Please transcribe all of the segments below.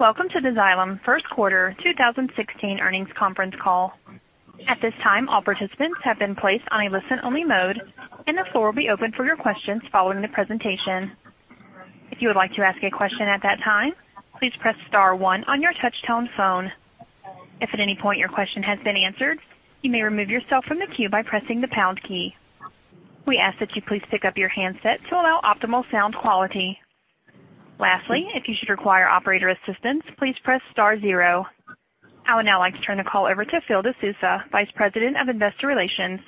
Welcome to the Xylem first quarter 2016 earnings conference call. At this time, all participants have been placed on a listen-only mode, and the floor will be open for your questions following the presentation. If you would like to ask a question at that time, please press star one on your touch-tone phone. If at any point your question has been answered, you may remove yourself from the queue by pressing the pound key. We ask that you please pick up your handset to allow optimal sound quality. Lastly, if you should require operator assistance, please press star zero. I would now like to turn the call over to Phil De Sousa, Vice President of Investor Relations.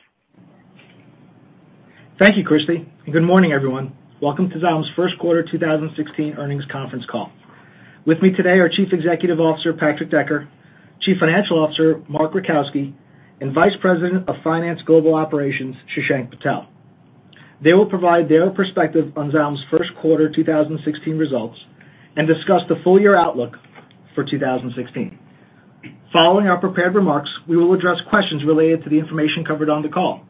Thank you, Christy, and good morning, everyone. Welcome to Xylem's first quarter 2016 earnings conference call. With me today are Chief Executive Officer, Patrick Decker, Chief Financial Officer, Mark Rajkowski, and Vice President of Finance Global Operations, Shashank Patel. They will provide their perspective on Xylem's first quarter 2016 results and discuss the full-year outlook for 2016. Following our prepared remarks, we will address questions related to the information covered on the call.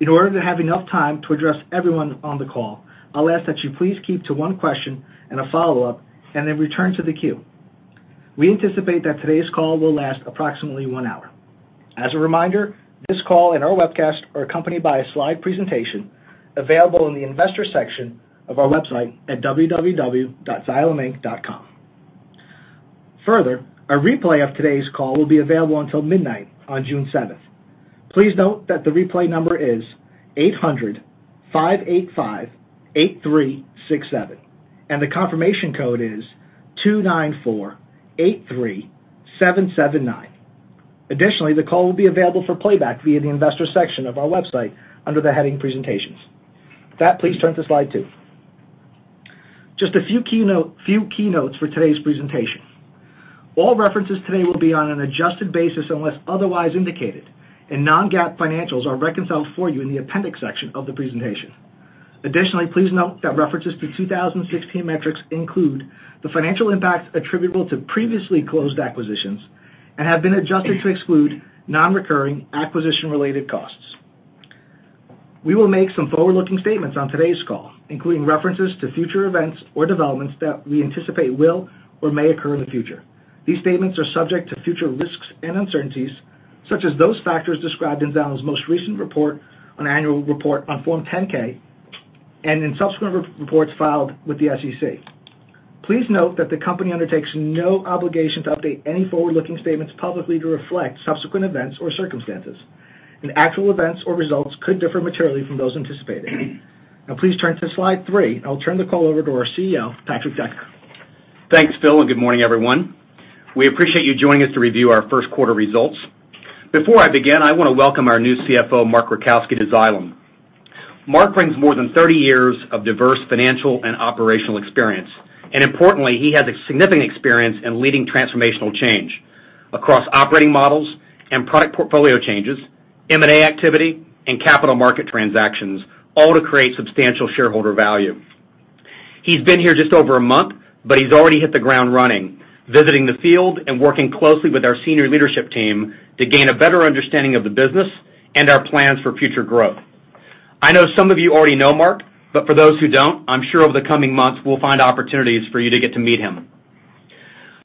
In order to have enough time to address everyone on the call, I'll ask that you please keep to one question and a follow-up, then return to the queue. We anticipate that today's call will last approximately one hour. As a reminder, this call and our webcast are accompanied by a slide presentation available in the Investors section of our website at www.xyleminc.com. Further, a replay of today's call will be available until midnight on June 7th. Please note that the replay number is 800-585-8367, and the confirmation code is 29483779. Additionally, the call will be available for playback via the Investors section of our website under the heading Presentations. With that, please turn to slide two. Just a few keynotes for today's presentation. All references today will be on an adjusted basis unless otherwise indicated. Non-GAAP financials are reconciled for you in the appendix section of the presentation. Additionally, please note that references to 2016 metrics include the financial impacts attributable to previously closed acquisitions and have been adjusted to exclude non-recurring acquisition-related costs. We will make some forward-looking statements on today's call, including references to future events or developments that we anticipate will or may occur in the future. These statements are subject to future risks and uncertainties, such as those factors described in Xylem's most recent report on annual report on Form 10-K and in subsequent reports filed with the SEC. Please note that the company undertakes no obligation to update any forward-looking statements publicly to reflect subsequent events or circumstances. Actual events or results could differ materially from those anticipated. Now please turn to slide three. I'll turn the call over to our CEO, Patrick Decker. Thanks, Phil, good morning, everyone. We appreciate you joining us to review our first quarter results. Before I begin, I want to welcome our new CFO, Mark Rajkowski, to Xylem. Mark brings more than 30 years of diverse financial and operational experience. Importantly, he has a significant experience in leading transformational change across operating models and product portfolio changes, M&A activity, and capital market transactions, all to create substantial shareholder value. He's been here just over a month, he's already hit the ground running, visiting the field and working closely with our senior leadership team to gain a better understanding of the business and our plans for future growth. I know some of you already know Mark, but for those who don't, I'm sure over the coming months, we'll find opportunities for you to get to meet him.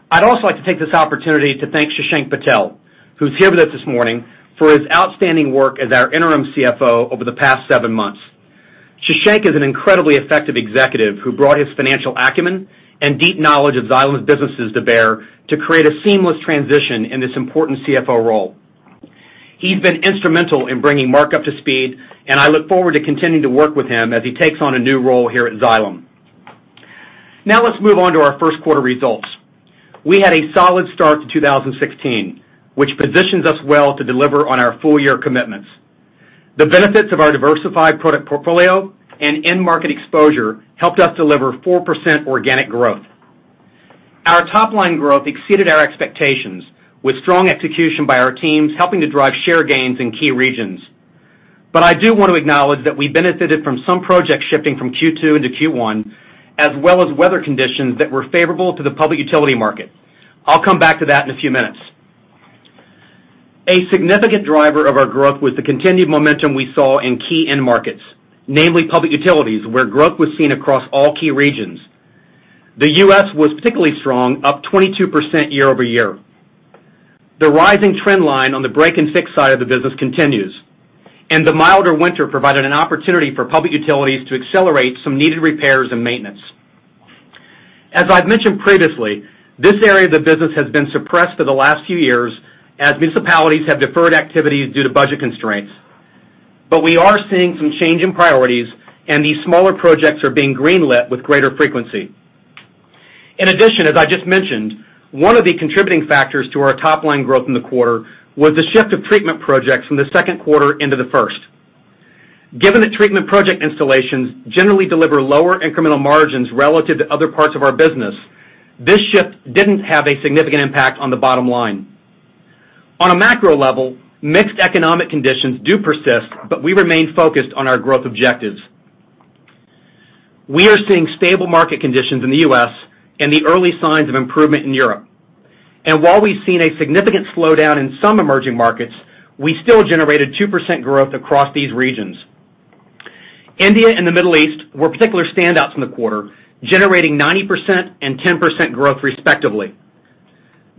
I'd also like to take this opportunity to thank Shashank Patel, who's here with us this morning, for his outstanding work as our interim CFO over the past seven months. Shashank is an incredibly effective executive who brought his financial acumen and deep knowledge of Xylem's businesses to bear to create a seamless transition in this important CFO role. He's been instrumental in bringing Mark up to speed, I look forward to continuing to work with him as he takes on a new role here at Xylem. Now let's move on to our first quarter results. We had a solid start to 2016, which positions us well to deliver on our full-year commitments. The benefits of our diversified product portfolio and end-market exposure helped us deliver 4% organic growth. Our top-line growth exceeded our expectations, with strong execution by our teams helping to drive share gains in key regions. I do want to acknowledge that we benefited from some projects shifting from Q2 into Q1, as well as weather conditions that were favorable to the public utility market. I'll come back to that in a few minutes. A significant driver of our growth was the continued momentum we saw in key end markets, namely public utilities, where growth was seen across all key regions. The U.S. was particularly strong, up 22% year-over-year. The rising trend line on the break and fix side of the business continues, the milder winter provided an opportunity for public utilities to accelerate some needed repairs and maintenance. As I've mentioned previously, this area of the business has been suppressed for the last few years as municipalities have deferred activities due to budget constraints, but we are seeing some change in priorities, these smaller projects are being green-lit with greater frequency. In addition, as I just mentioned, one of the contributing factors to our top-line growth in the quarter was the shift of treatment projects from the second quarter into the first. Given that treatment project installations generally deliver lower incremental margins relative to other parts of our business, this shift didn't have a significant impact on the bottom line. On a macro level, mixed economic conditions do persist, but we remain focused on our growth objectives. We are seeing stable market conditions in the U.S. and the early signs of improvement in Europe. While we've seen a significant slowdown in some emerging markets, we still generated 2% growth across these regions. India and the Middle East were particular standouts in the quarter, generating 90% and 10% growth respectively.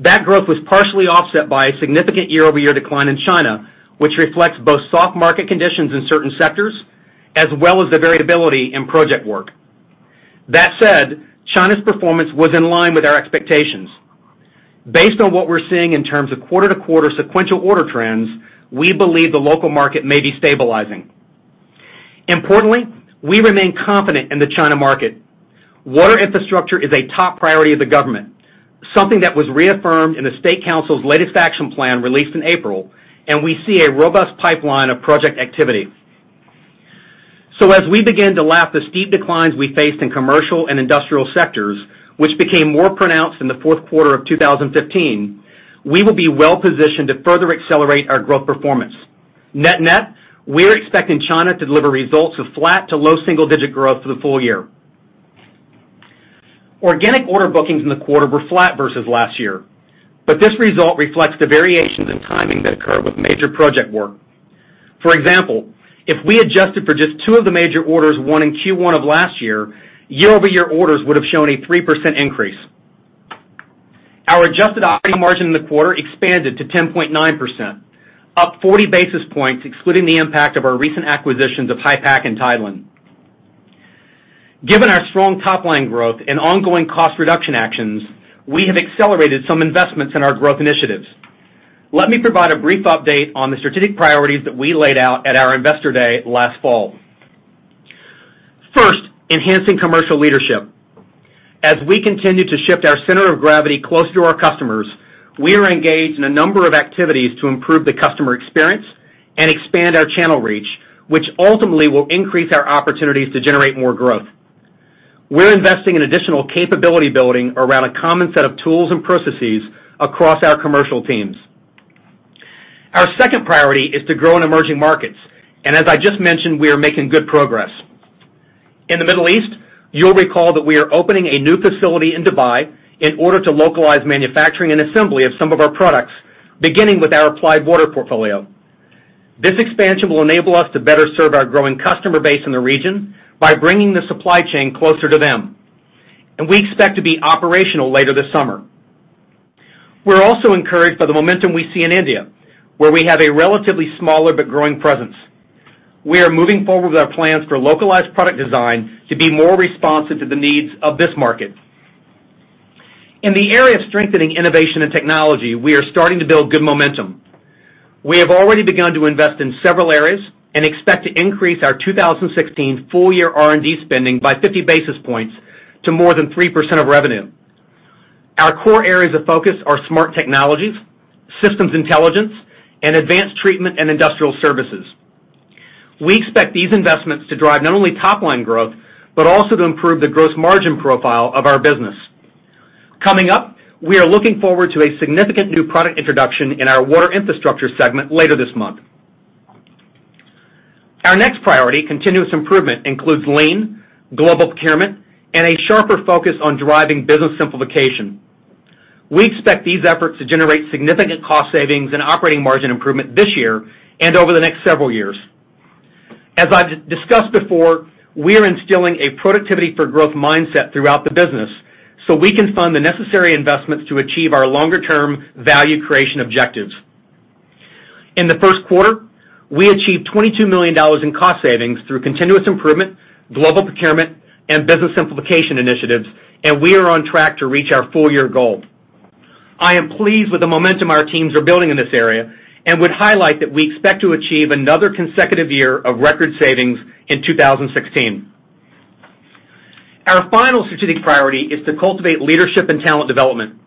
That growth was partially offset by a significant year-over-year decline in China, which reflects both soft market conditions in certain sectors as well as the variability in project work. That said, China's performance was in line with our expectations. Based on what we're seeing in terms of quarter-to-quarter sequential order trends, we believe the local market may be stabilizing. Importantly, we remain confident in the China market. Water Infrastructure is a top priority of the government, something that was reaffirmed in the State Council's latest action plan released in April, and we see a robust pipeline of project activity. As we begin to lap the steep declines we faced in commercial and industrial sectors, which became more pronounced in the fourth quarter of 2015, we will be well-positioned to further accelerate our growth performance. Net-net, we're expecting China to deliver results of flat to low single-digit growth for the full year. Organic order bookings in the quarter were flat versus last year. This result reflects the variations in timing that occur with major project work. For example, if we adjusted for just two of the major orders won in Q1 of last year-over-year orders would've shown a 3% increase. Our adjusted operating margin in the quarter expanded to 10.9%, up 40 basis points, excluding the impact of our recent acquisitions of HYPACK and Tideland. Given our strong top-line growth and ongoing cost reduction actions, we have accelerated some investments in our growth initiatives. Let me provide a brief update on the strategic priorities that we laid out at our investor day last fall. First, enhancing commercial leadership. As we continue to shift our center of gravity closer to our customers, we are engaged in a number of activities to improve the customer experience and expand our channel reach, which ultimately will increase our opportunities to generate more growth. We're investing in additional capability building around a common set of tools and processes across our commercial teams. Our second priority is to grow in emerging markets. As I just mentioned, we are making good progress. In the Middle East, you'll recall that we are opening a new facility in Dubai in order to localize manufacturing and assembly of some of our products, beginning with our Applied Water portfolio. This expansion will enable us to better serve our growing customer base in the region by bringing the supply chain closer to them. We expect to be operational later this summer. We're also encouraged by the momentum we see in India, where we have a relatively smaller but growing presence. We are moving forward with our plans for localized product design to be more responsive to the needs of this market. In the area of strengthening innovation and technology, we are starting to build good momentum. We have already begun to invest in several areas and expect to increase our 2016 full-year R&D spending by 50 basis points to more than 3% of revenue. Our core areas of focus are smart technologies, systems intelligence, and advanced treatment and industrial services. We expect these investments to drive not only top-line growth, but also to improve the gross margin profile of our business. Coming up, we are looking forward to a significant new product introduction in our Water Infrastructure segment later this month. Our next priority, continuous improvement, includes lean global procurement and a sharper focus on driving business simplification. We expect these efforts to generate significant cost savings and operating margin improvement this year and over the next several years. As I've discussed before, we are instilling a productivity-for-growth mindset throughout the business so we can fund the necessary investments to achieve our longer-term value creation objectives. In the first quarter, we achieved $22 million in cost savings through continuous improvement, global procurement, and business simplification initiatives, and we are on track to reach our full-year goal. I am pleased with the momentum our teams are building in this area and would highlight that we expect to achieve another consecutive year of record savings in 2016. Our final strategic priority is to cultivate leadership and talent development.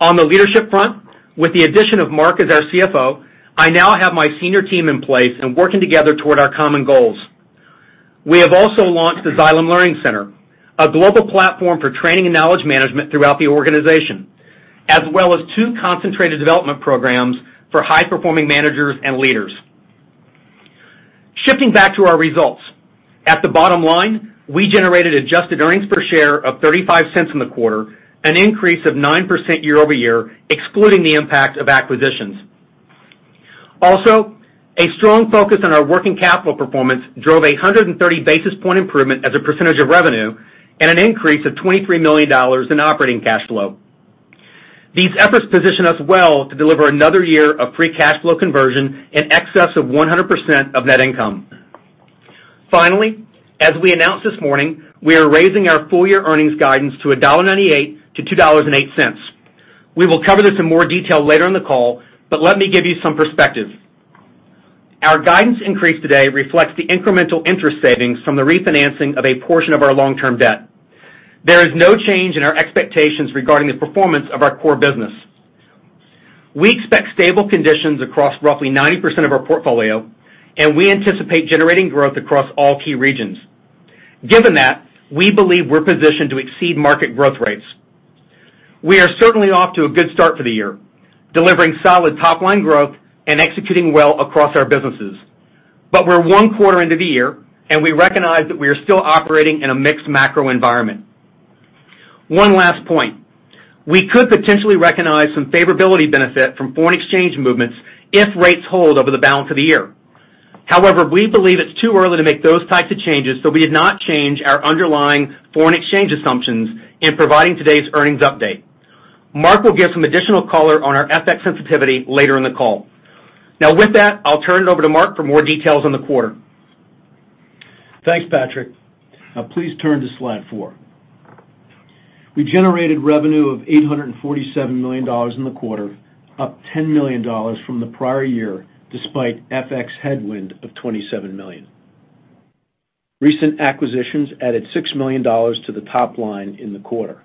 On the leadership front, with the addition of Mark as our CFO, I now have my senior team in place and working together toward our common goals. We have also launched the Xylem Learning Center, a global platform for training and knowledge management throughout the organization, as well as two concentrated development programs for high-performing managers and leaders. Shifting back to our results. At the bottom line, we generated adjusted earnings per share of $0.35 in the quarter, an increase of 9% year-over-year, excluding the impact of acquisitions. Also, a strong focus on our working capital performance drove a 130 basis point improvement as a percentage of revenue and an increase of $23 million in operating cash flow. These efforts position us well to deliver another year of free cash flow conversion in excess of 100% of net income. Finally, as we announced this morning, we are raising our full-year earnings guidance to $1.98 to $2.08. We will cover this in more detail later in the call, but let me give you some perspective. Our guidance increase today reflects the incremental interest savings from the refinancing of a portion of our long-term debt. There is no change in our expectations regarding the performance of our core business. We expect stable conditions across roughly 90% of our portfolio, and we anticipate generating growth across all key regions. Given that, we believe we're positioned to exceed market growth rates. We are certainly off to a good start for the year, delivering solid top-line growth and executing well across our businesses. But we're one quarter into the year, and we recognize that we are still operating in a mixed macro environment. One last point. We could potentially recognize some favorability benefit from foreign exchange movements if rates hold over the balance of the year. However, we believe it's too early to make those types of changes, so we have not changed our underlying foreign exchange assumptions in providing today's earnings update. Mark will give some additional color on our FX sensitivity later in the call. Now with that, I'll turn it over to Mark for more details on the quarter. Thanks, Patrick. Now please turn to slide four. We generated revenue of $847 million in the quarter, up $10 million from the prior year, despite FX headwind of $27 million. Recent acquisitions added $6 million to the top line in the quarter.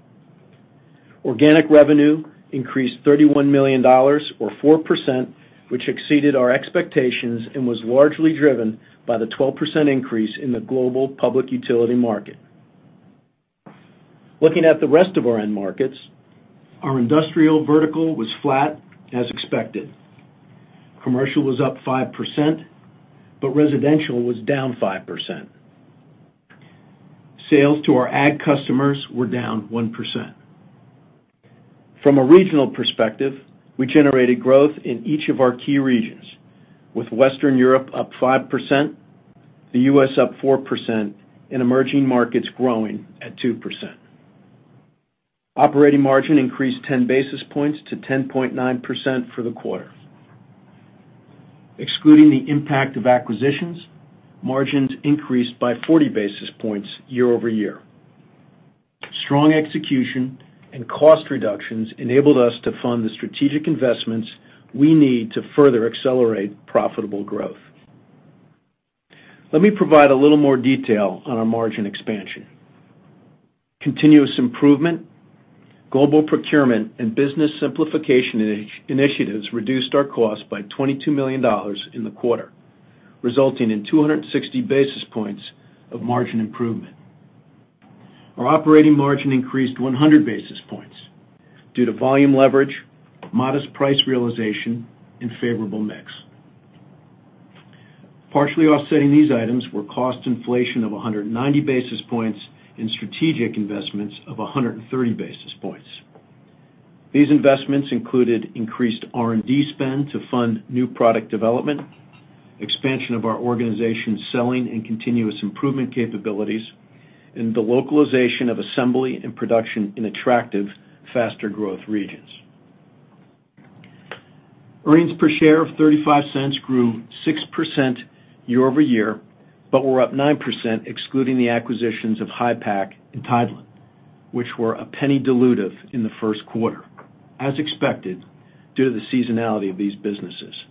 Organic revenue increased $31 million or 4%, which exceeded our expectations and was largely driven by the 12% increase in the global public utility market. Looking at the rest of our end markets, our industrial vertical was flat as expected. Commercial was up 5%, but residential was down 5%. Sales to our ag customers were down 1%. From a regional perspective, we generated growth in each of our key regions, with Western Europe up 5%, the U.S. up 4%, and emerging markets growing at 2%. Operating margin increased 10 basis points to 10.9% for the quarter. Excluding the impact of acquisitions, margins increased by 40 basis points year-over-year. Strong execution and cost reductions enabled us to fund the strategic investments we need to further accelerate profitable growth. Let me provide a little more detail on our margin expansion. Continuous improvement, global procurement, and business simplification initiatives reduced our cost by $22 million in the quarter, resulting in 260 basis points of margin improvement. Our operating margin increased 100 basis points due to volume leverage, modest price realization, and favorable mix. Partially offsetting these items were cost inflation of 190 basis points and strategic investments of 130 basis points. These investments included increased R&D spend to fund new product development, expansion of our organization's selling and continuous improvement capabilities, and the localization of assembly and production in attractive, faster growth regions. Earnings per share of $0.35 grew 6% year-over-year, but were up 9% excluding the acquisitions of HYPACK and Tideland, which were $0.01 dilutive in the first quarter, as expected, due to the seasonality of these businesses.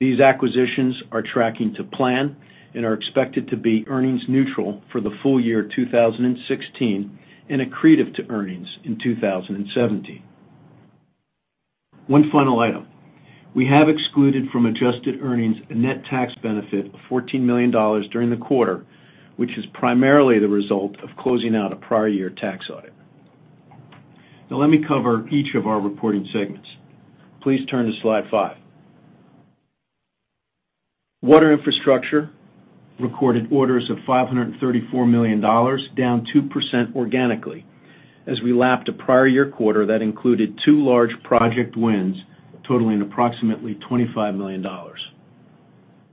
These acquisitions are tracking to plan and are expected to be earnings neutral for the full year 2016 and accretive to earnings in 2017. One final item. We have excluded from adjusted earnings a net tax benefit of $14 million during the quarter, which is primarily the result of closing out a prior year tax audit. Now let me cover each of our reporting segments. Please turn to slide five. Water Infrastructure recorded orders of $534 million, down 2% organically as we lapped a prior year quarter that included two large project wins totaling approximately $25 million.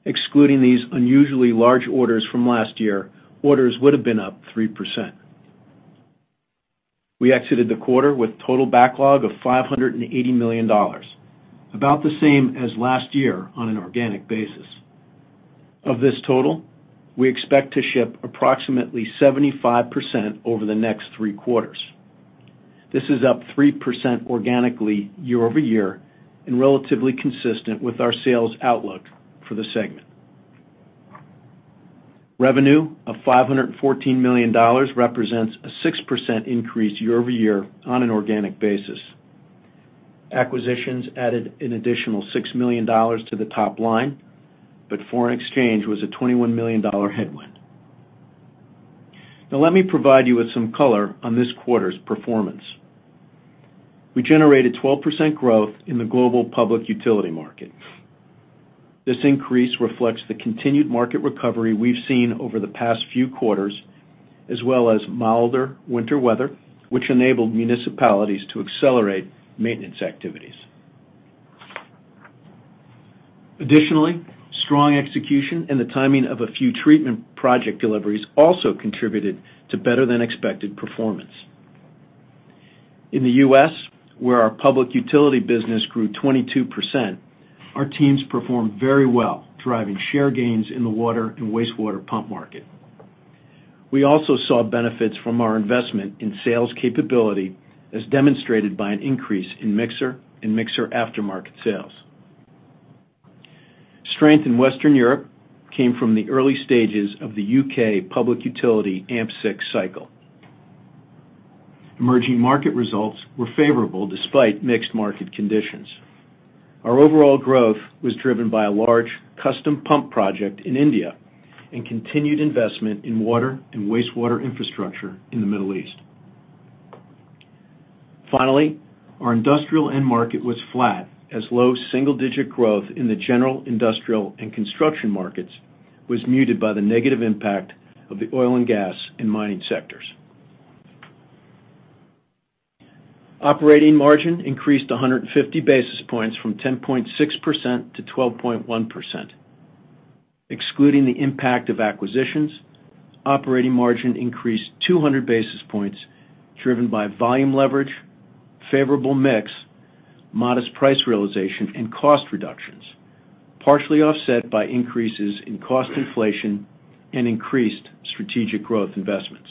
Excluding these unusually large orders from last year, orders would've been up 3%. We exited the quarter with total backlog of $580 million, about the same as last year on an organic basis. Of this total, we expect to ship approximately 75% over the next three quarters. This is up 3% organically year-over-year and relatively consistent with our sales outlook for the segment. Revenue of $514 million represents a 6% increase year-over-year on an organic basis. Acquisitions added an additional $6 million to the top line, but foreign exchange was a $21 million headwind. Now let me provide you with some color on this quarter's performance. We generated 12% growth in the global public utility market. This increase reflects the continued market recovery we've seen over the past few quarters, as well as milder winter weather, which enabled municipalities to accelerate maintenance activities. Additionally, strong execution and the timing of a few treatment project deliveries also contributed to better than expected performance. In the U.S., where our public utility business grew 22%, our teams performed very well, driving share gains in the water and wastewater pump market. We also saw benefits from our investment in sales capability, as demonstrated by an increase in mixer and mixer aftermarket sales. Strength in Western Europe came from the early stages of the U.K. public utility AMP6 cycle. Emerging market results were favorable despite mixed market conditions. Our overall growth was driven by a large custom pump project in India and continued investment in water and wastewater infrastructure in the Middle East. Finally, our industrial end market was flat as low single-digit growth in the general industrial and construction markets was muted by the negative impact of the oil and gas and mining sectors. Operating margin increased 150 basis points from 10.6% to 12.1%. Excluding the impact of acquisitions, operating margin increased 200 basis points, driven by volume leverage, favorable mix, modest price realization, and cost reductions, partially offset by increases in cost inflation and increased strategic growth investments.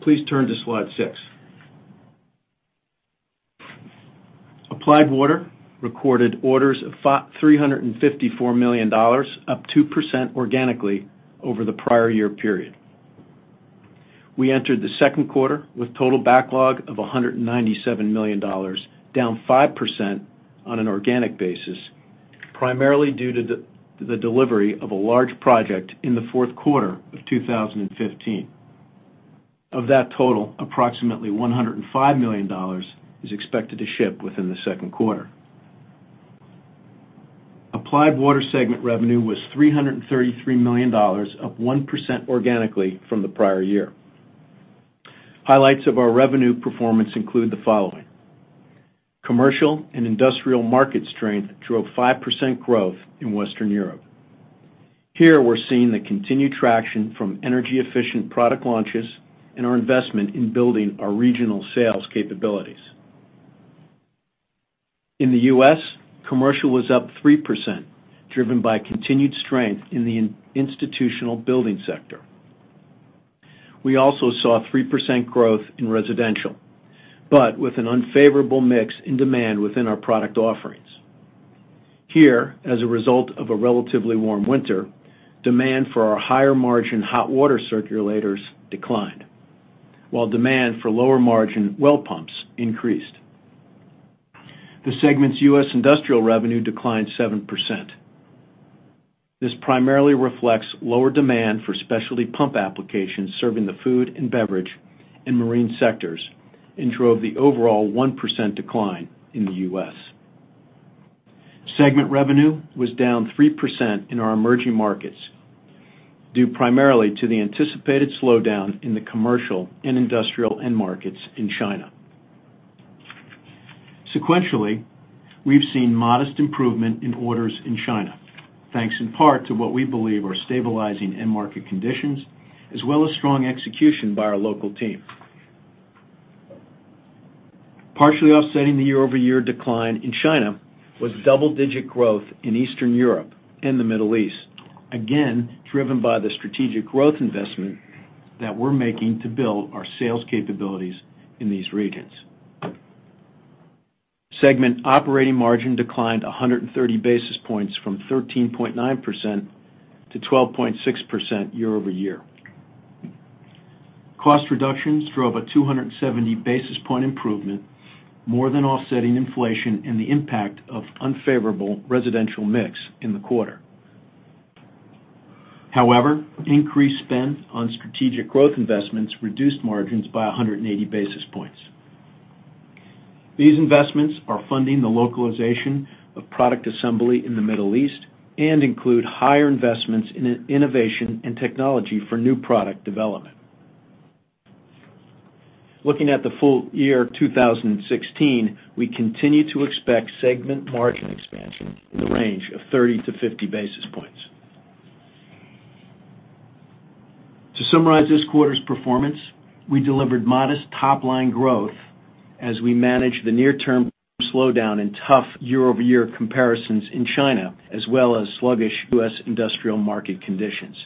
Please turn to slide six. Applied Water recorded orders of $354 million, up 2% organically over the prior year period. We entered the second quarter with total backlog of $197 million, down 5% on an organic basis, primarily due to the delivery of a large project in the fourth quarter of 2015. Of that total, approximately $105 million is expected to ship within the second quarter. Applied Water segment revenue was $333 million, up 1% organically from the prior year. Highlights of our revenue performance include the following. Commercial and industrial market strength drove 5% growth in Western Europe. Here, we're seeing the continued traction from energy-efficient product launches and our investment in building our regional sales capabilities. In the U.S., commercial was up 3%, driven by continued strength in the institutional building sector. We also saw 3% growth in residential, but with an unfavorable mix in demand within our product offerings. Here, as a result of a relatively warm winter, demand for our higher-margin hot water circulators declined. While demand for lower-margin well pumps increased. The segment's U.S. industrial revenue declined 7%. This primarily reflects lower demand for specialty pump applications serving the food and beverage and marine sectors and drove the overall 1% decline in the U.S. Segment revenue was down 3% in our emerging markets due primarily to the anticipated slowdown in the commercial and industrial end markets in China. Sequentially, we've seen modest improvement in orders in China, thanks in part to what we believe are stabilizing end market conditions, as well as strong execution by our local team. Partially offsetting the year-over-year decline in China was double-digit growth in Eastern Europe and the Middle East, again, driven by the strategic growth investment that we're making to build our sales capabilities in these regions. Segment operating margin declined 130 basis points from 13.9% to 12.6% year-over-year. Cost reductions drove a 270-basis-point improvement, more than offsetting inflation and the impact of unfavorable residential mix in the quarter. However, increased spend on strategic growth investments reduced margins by 180 basis points. These investments are funding the localization of product assembly in the Middle East and include higher investments in innovation and technology for new product development. Looking at the full year 2016, we continue to expect segment margin expansion in the range of 30 to 50 basis points. To summarize this quarter's performance, we delivered modest top-line growth as we manage the near-term slowdown in tough year-over-year comparisons in China, as well as sluggish U.S. industrial market conditions.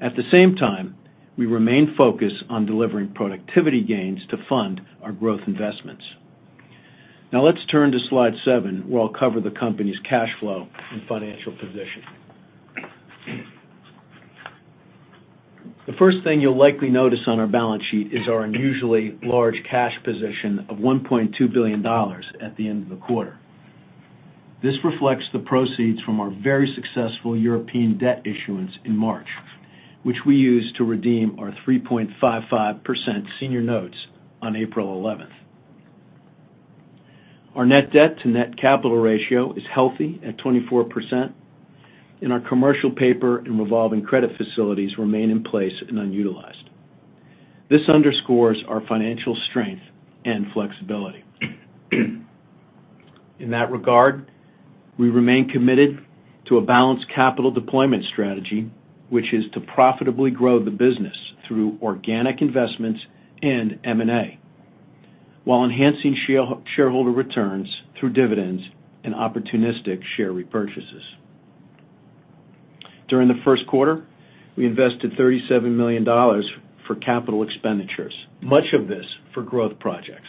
At the same time, we remain focused on delivering productivity gains to fund our growth investments. Now let's turn to slide seven, where I'll cover the company's cash flow and financial position. The first thing you'll likely notice on our balance sheet is our unusually large cash position of $1.2 billion at the end of the quarter. This reflects the proceeds from our very successful European debt issuance in March, which we used to redeem our 3.55% senior notes on April 11th. Our net debt to net capital ratio is healthy at 24%, and our commercial paper and revolving credit facilities remain in place and unutilized. This underscores our financial strength and flexibility. In that regard, we remain committed to a balanced capital deployment strategy, which is to profitably grow the business through organic investments and M&A, while enhancing shareholder returns through dividends and opportunistic share repurchases. During the first quarter, we invested $37 million for capital expenditures, much of this for growth projects.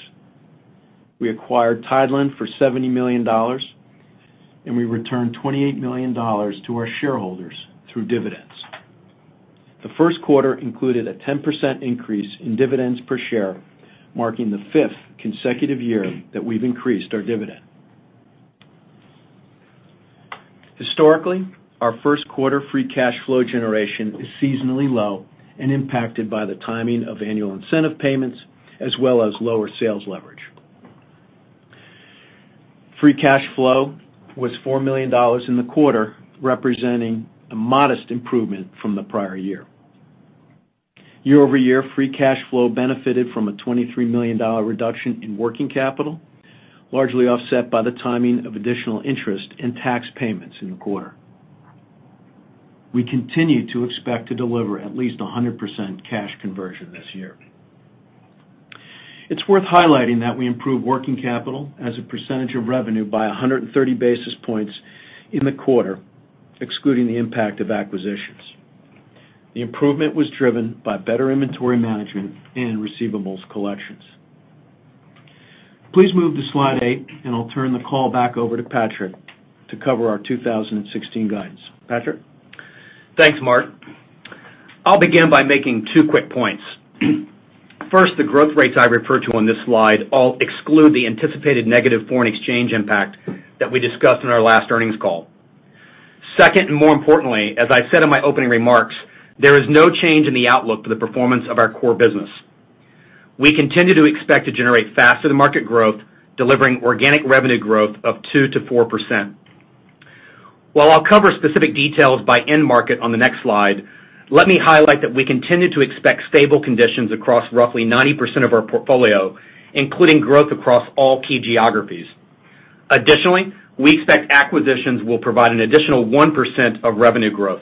We acquired Tideland for $70 million, and we returned $28 million to our shareholders through dividends. The first quarter included a 10% increase in dividends per share, marking the fifth consecutive year that we've increased our dividend. Historically, our first quarter free cash flow generation is seasonally low and impacted by the timing of annual incentive payments as well as lower sales leverage. Free cash flow was $4 million in the quarter, representing a modest improvement from the prior year. Year-over-year, free cash flow benefited from a $23 million reduction in working capital, largely offset by the timing of additional interest and tax payments in the quarter. We continue to expect to deliver at least 100% cash conversion this year. It's worth highlighting that we improved working capital as a percentage of revenue by 130 basis points in the quarter, excluding the impact of acquisitions. The improvement was driven by better inventory management and receivables collections. Please move to slide eight, and I'll turn the call back over to Patrick to cover our 2016 guidance. Patrick? Thanks, Mark. I'll begin by making two quick points. First, the growth rates I refer to on this slide all exclude the anticipated negative foreign exchange impact that we discussed on our last earnings call. Second, and more importantly, as I said in my opening remarks, there is no change in the outlook for the performance of our core business. We continue to expect to generate faster-than-market growth, delivering organic revenue growth of 2%-4%. While I'll cover specific details by end market on the next slide, let me highlight that we continue to expect stable conditions across roughly 90% of our portfolio, including growth across all key geographies. Additionally, we expect acquisitions will provide an additional 1% of revenue growth.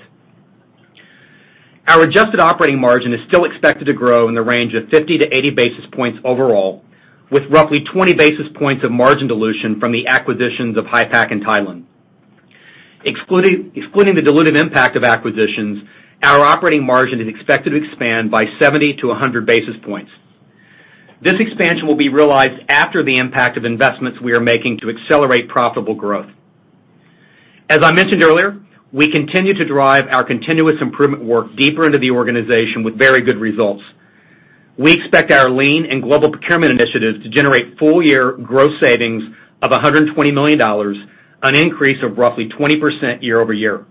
Our adjusted operating margin is still expected to grow in the range of 50 to 80 basis points overall, with roughly 20 basis points of margin dilution from the acquisitions of HYPACK and Tideland. Excluding the dilutive impact of acquisitions, our operating margin is expected to expand by 70 to 100 basis points. This expansion will be realized after the impact of investments we are making to accelerate profitable growth. As I mentioned earlier, we continue to drive our continuous improvement work deeper into the organization with very good results. We expect our lean and global procurement initiatives to generate full-year gross savings of $120 million, an increase of roughly 20% year-over-year.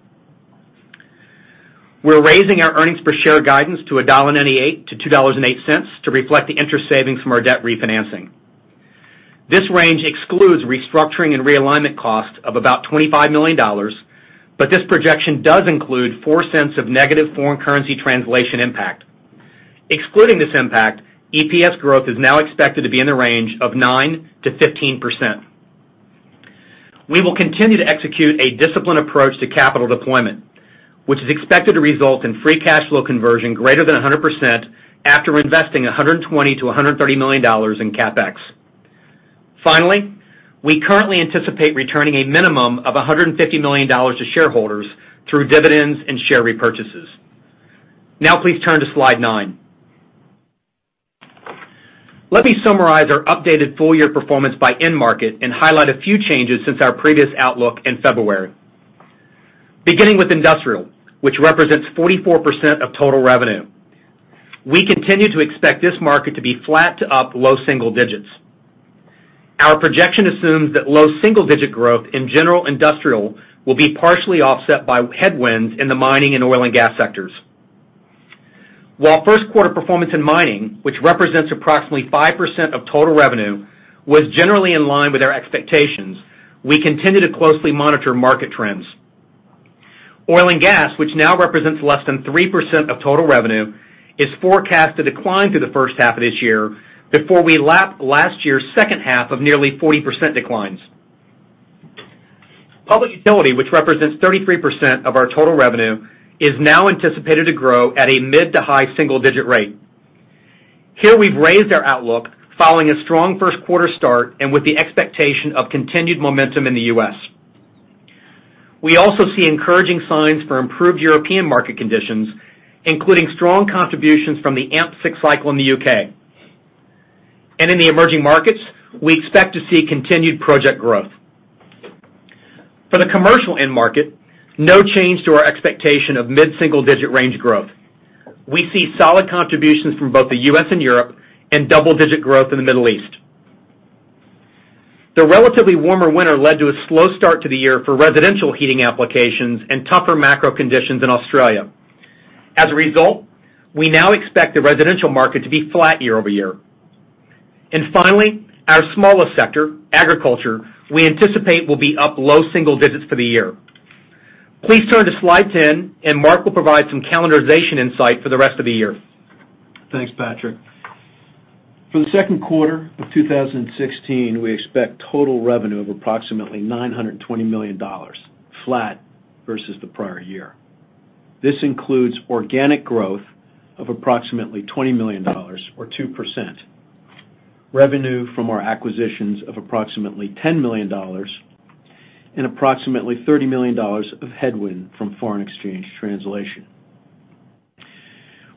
We're raising our earnings per share guidance to $1.98 to $2.08 to reflect the interest savings from our debt refinancing. This range excludes restructuring and realignment costs of about $25 million, this projection does include $0.04 of negative foreign currency translation impact. Excluding this impact, EPS growth is now expected to be in the range of 9% to 15%. We will continue to execute a disciplined approach to capital deployment, which is expected to result in free cash flow conversion greater than 100% after investing $120 million to $130 million in CapEx. Finally, we currently anticipate returning a minimum of $150 million to shareholders through dividends and share repurchases. Now please turn to slide nine. Let me summarize our updated full-year performance by end market and highlight a few changes since our previous outlook in February. Beginning with industrial, which represents 44% of total revenue, we continue to expect this market to be flat to up low single digits. Our projection assumes that low single-digit growth in general industrial will be partially offset by headwinds in the mining and oil and gas sectors. While first quarter performance in mining, which represents approximately 5% of total revenue, was generally in line with our expectations, we continue to closely monitor market trends. Oil and gas, which now represents less than 3% of total revenue, is forecast to decline through the first half of this year before we lap last year's second half of nearly 40% declines. Public utility, which represents 33% of our total revenue, is now anticipated to grow at a mid to high single-digit rate. Here we've raised our outlook following a strong first quarter start and with the expectation of continued momentum in the U.S. We also see encouraging signs for improved European market conditions, including strong contributions from the AMP6 cycle in the U.K. In the emerging markets, we expect to see continued project growth. For the commercial end market, no change to our expectation of mid-single digit range growth. We see solid contributions from both the U.S. and Europe and double-digit growth in the Middle East. The relatively warmer winter led to a slow start to the year for residential heating applications and tougher macro conditions in Australia. As a result, we now expect the residential market to be flat year-over-year. Finally, our smallest sector, agriculture, we anticipate will be up low single digits for the year. Please turn to slide 10, Mark will provide some calendarization insight for the rest of the year. Thanks, Patrick. For the second quarter of 2016, we expect total revenue of approximately $920 million, flat versus the prior year. This includes organic growth of approximately $20 million, or 2%, revenue from our acquisitions of approximately $10 million, and approximately $30 million of headwind from foreign exchange translation.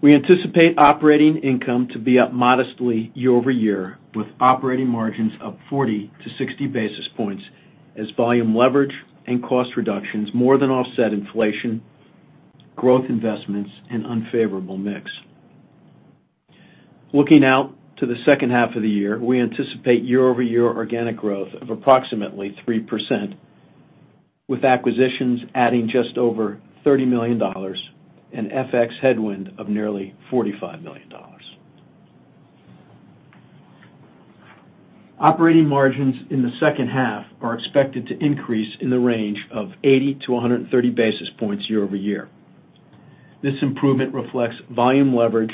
We anticipate operating income to be up modestly year-over-year, with operating margins up 40 to 60 basis points as volume leverage and cost reductions more than offset inflation, growth investments, and unfavorable mix. Looking out to the second half of the year, we anticipate year-over-year organic growth of approximately 3%, with acquisitions adding just over $30 million and FX headwind of nearly $45 million. Operating margins in the second half are expected to increase in the range of 80 to 130 basis points year-over-year. This improvement reflects volume leverage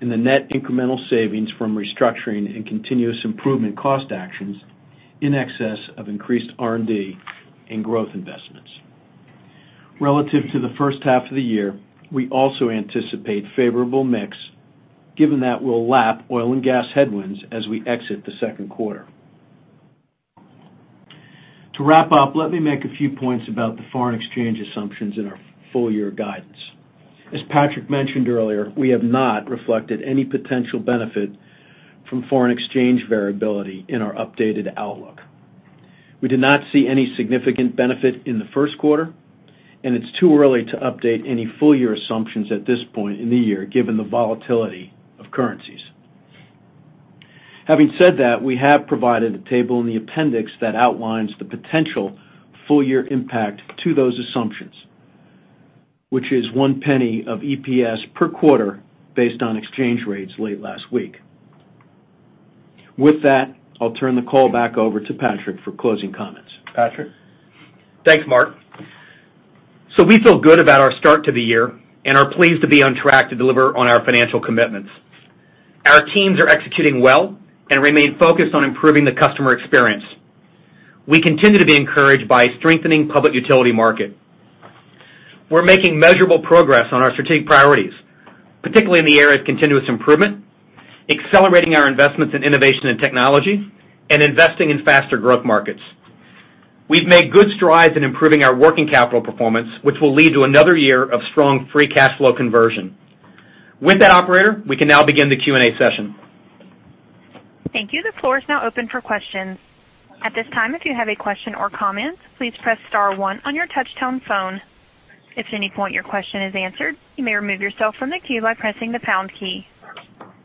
in the net incremental savings from restructuring and continuous improvement cost actions in excess of increased R&D and growth investments. Relative to the first half of the year, we also anticipate favorable mix given that we'll lap oil and gas headwinds as we exit the second quarter. To wrap up, let me make a few points about the foreign exchange assumptions in our full-year guidance. As Patrick mentioned earlier, we have not reflected any potential benefit from foreign exchange variability in our updated outlook. We did not see any significant benefit in the first quarter. It's too early to update any full-year assumptions at this point in the year, given the volatility of currencies. Having said that, we have provided a table in the appendix that outlines the potential full-year impact to those assumptions, which is $0.01 of EPS per quarter based on exchange rates late last week. With that, I'll turn the call back over to Patrick for closing comments. Patrick? Thanks, Mark. We feel good about our start to the year and are pleased to be on track to deliver on our financial commitments. Our teams are executing well and remain focused on improving the customer experience. We continue to be encouraged by strengthening public utility market. We're making measurable progress on our strategic priorities, particularly in the areas of continuous improvement, accelerating our investments in innovation and technology, and investing in faster growth markets. We've made good strides in improving our working capital performance, which will lead to another year of strong free cash flow conversion. With that, operator, we can now begin the Q&A session. Thank you. The floor is now open for questions. At this time, if you have a question or comments, please press star one on your touchtone phone. If at any point your question is answered, you may remove yourself from the queue by pressing the pound key.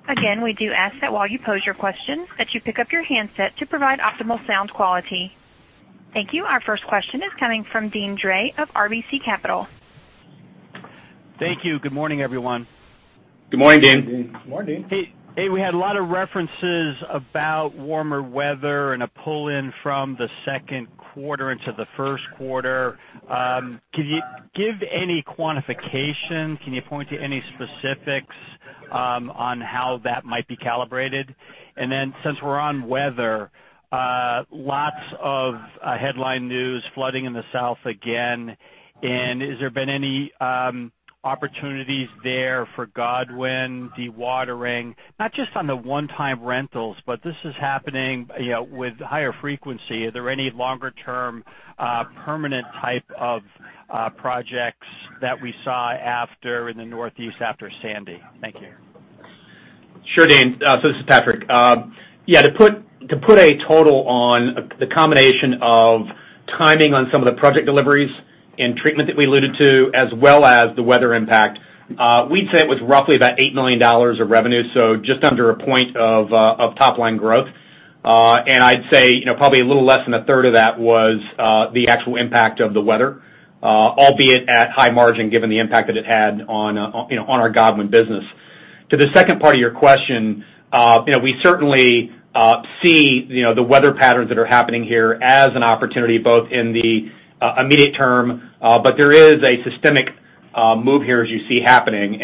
Again, we do ask that while you pose your question, that you pick up your handset to provide optimal sound quality. Thank you. Our first question is coming from Deane Dray of RBC Capital. Thank you. Good morning, everyone. Good morning, Deane. Good morning. Hey. We had a lot of references about warmer weather and a pull-in from the second quarter into the first quarter. Can you give any quantification? Can you point to any specifics on how that might be calibrated? Since we're on weather, lots of headline news, flooding in the South again, has there been any opportunities there for Godwin dewatering, not just on the one-time rentals, but this is happening with higher frequency. Are there any longer-term permanent type of projects that we saw in the Northeast after Sandy? Thank you. Sure, Deane. This is Patrick. Yeah, to put a total on the combination of timing on some of the project deliveries and treatment that we alluded to as well as the weather impact, we'd say it was roughly about $8 million of revenue, so just under a point of top-line growth. I'd say probably a little less than a third of that was the actual impact of the weather, albeit at high margin, given the impact that it had on our Godwin business. To the second part of your question, we certainly see the weather patterns that are happening here as an opportunity, both in the immediate term, but there is a systemic move here as you see happening.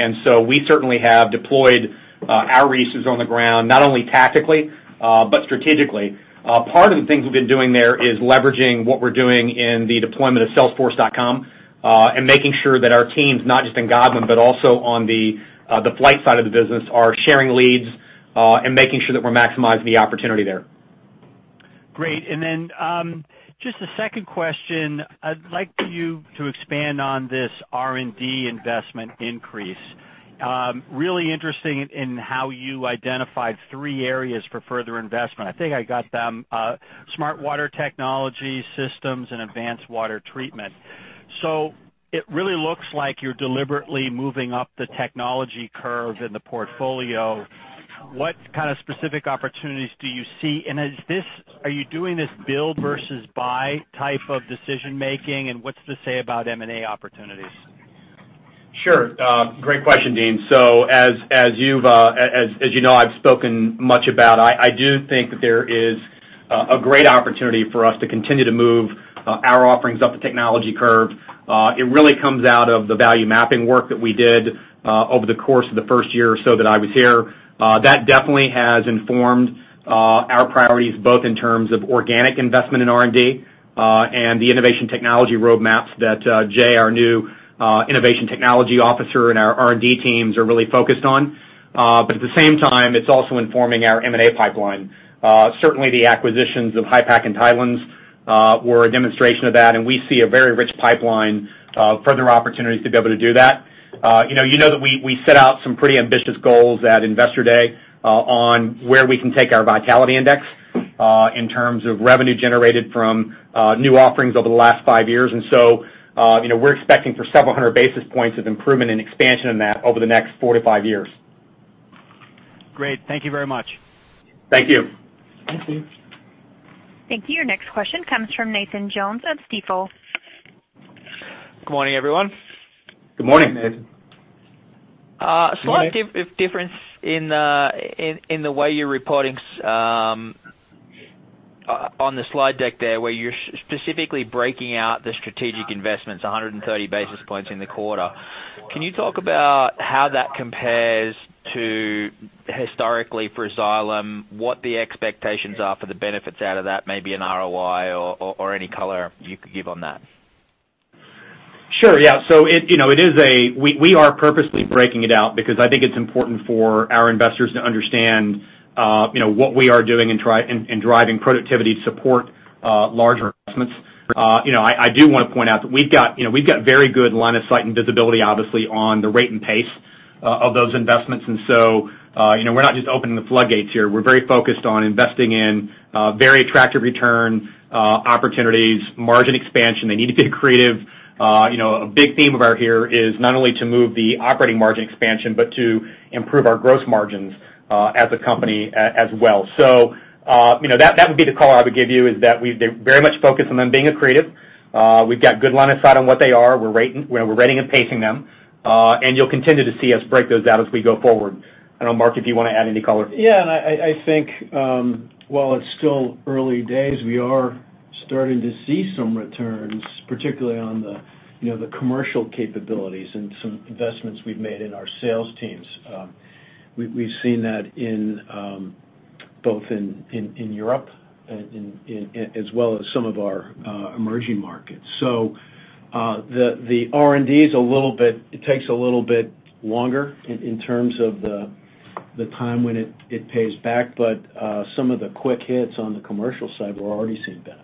We certainly have deployed our resources on the ground, not only tactically but strategically. Part of the things we've been doing there is leveraging what we're doing in the deployment of salesforce.com and making sure that our teams, not just in Godwin, but also on the Applied Water side of the business, are sharing leads and making sure that we're maximizing the opportunity there. Great. Just a second question. I'd like you to expand on this R&D investment increase. Really interesting in how you identified three areas for further investment. I think I got them, smart water technology systems and advanced water treatment. It really looks like you're deliberately moving up the technology curve in the portfolio. What kind of specific opportunities do you see, and are you doing this build versus buy type of decision making, and what's to say about M&A opportunities? Sure. Great question, Deane. As you know, I've spoken much about, I do think that there is a great opportunity for us to continue to move our offerings up the technology curve. It really comes out of the value mapping work that we did over the course of the first year or so that I was here. That definitely has informed our priorities, both in terms of organic investment in R&D and the innovation technology roadmaps that Jay, our new innovation technology officer, and our R&D teams are really focused on. At the same time, it's also informing our M&A pipeline. Certainly, the acquisitions of HYPACK and Tideland were a demonstration of that, and we see a very rich pipeline of further opportunities to be able to do that. You know that we set out some pretty ambitious goals at Investor Day on where we can take our Vitality Index in terms of revenue generated from new offerings over the last five years. We're expecting for 700 basis points of improvement and expansion in that over the next four to five years. Great. Thank you very much. Thank you. Thank you. Thank you. Your next question comes from Nathan Jones of Stifel. Good morning, everyone. Good morning. Slight difference in the way you're reporting on the slide deck there, where you're specifically breaking out the strategic investments, 130 basis points in the quarter. Can you talk about how that compares to historically for Xylem, what the expectations are for the benefits out of that, maybe an ROI or any color you could give on that? Sure. Yeah. We are purposely breaking it out because I think it's important for our investors to understand what we are doing in driving productivity support, larger investments. I do want to point out that we've got very good line of sight and visibility, obviously, on the rate and pace of those investments. We're not just opening the floodgates here. We're very focused on investing in very attractive return opportunities, margin expansion. They need to be creative. A big theme of ours here is not only to move the operating margin expansion, but to improve our gross margins as a company as well. That would be the color I would give you, is that we're very much focused on them being creative. We've got good line of sight on what they are. We're rating and pacing them. You'll continue to see us break those out as we go forward. I don't know, Mark, if you want to add any color. Yeah, I think while it's still early days, we are starting to see some returns, particularly on the commercial capabilities and some investments we've made in our sales teams. We've seen that both in Europe as well as some of our emerging markets. The R&D takes a little bit longer in terms of the time when it pays back. Some of the quick hits on the commercial side we're already seeing benefits.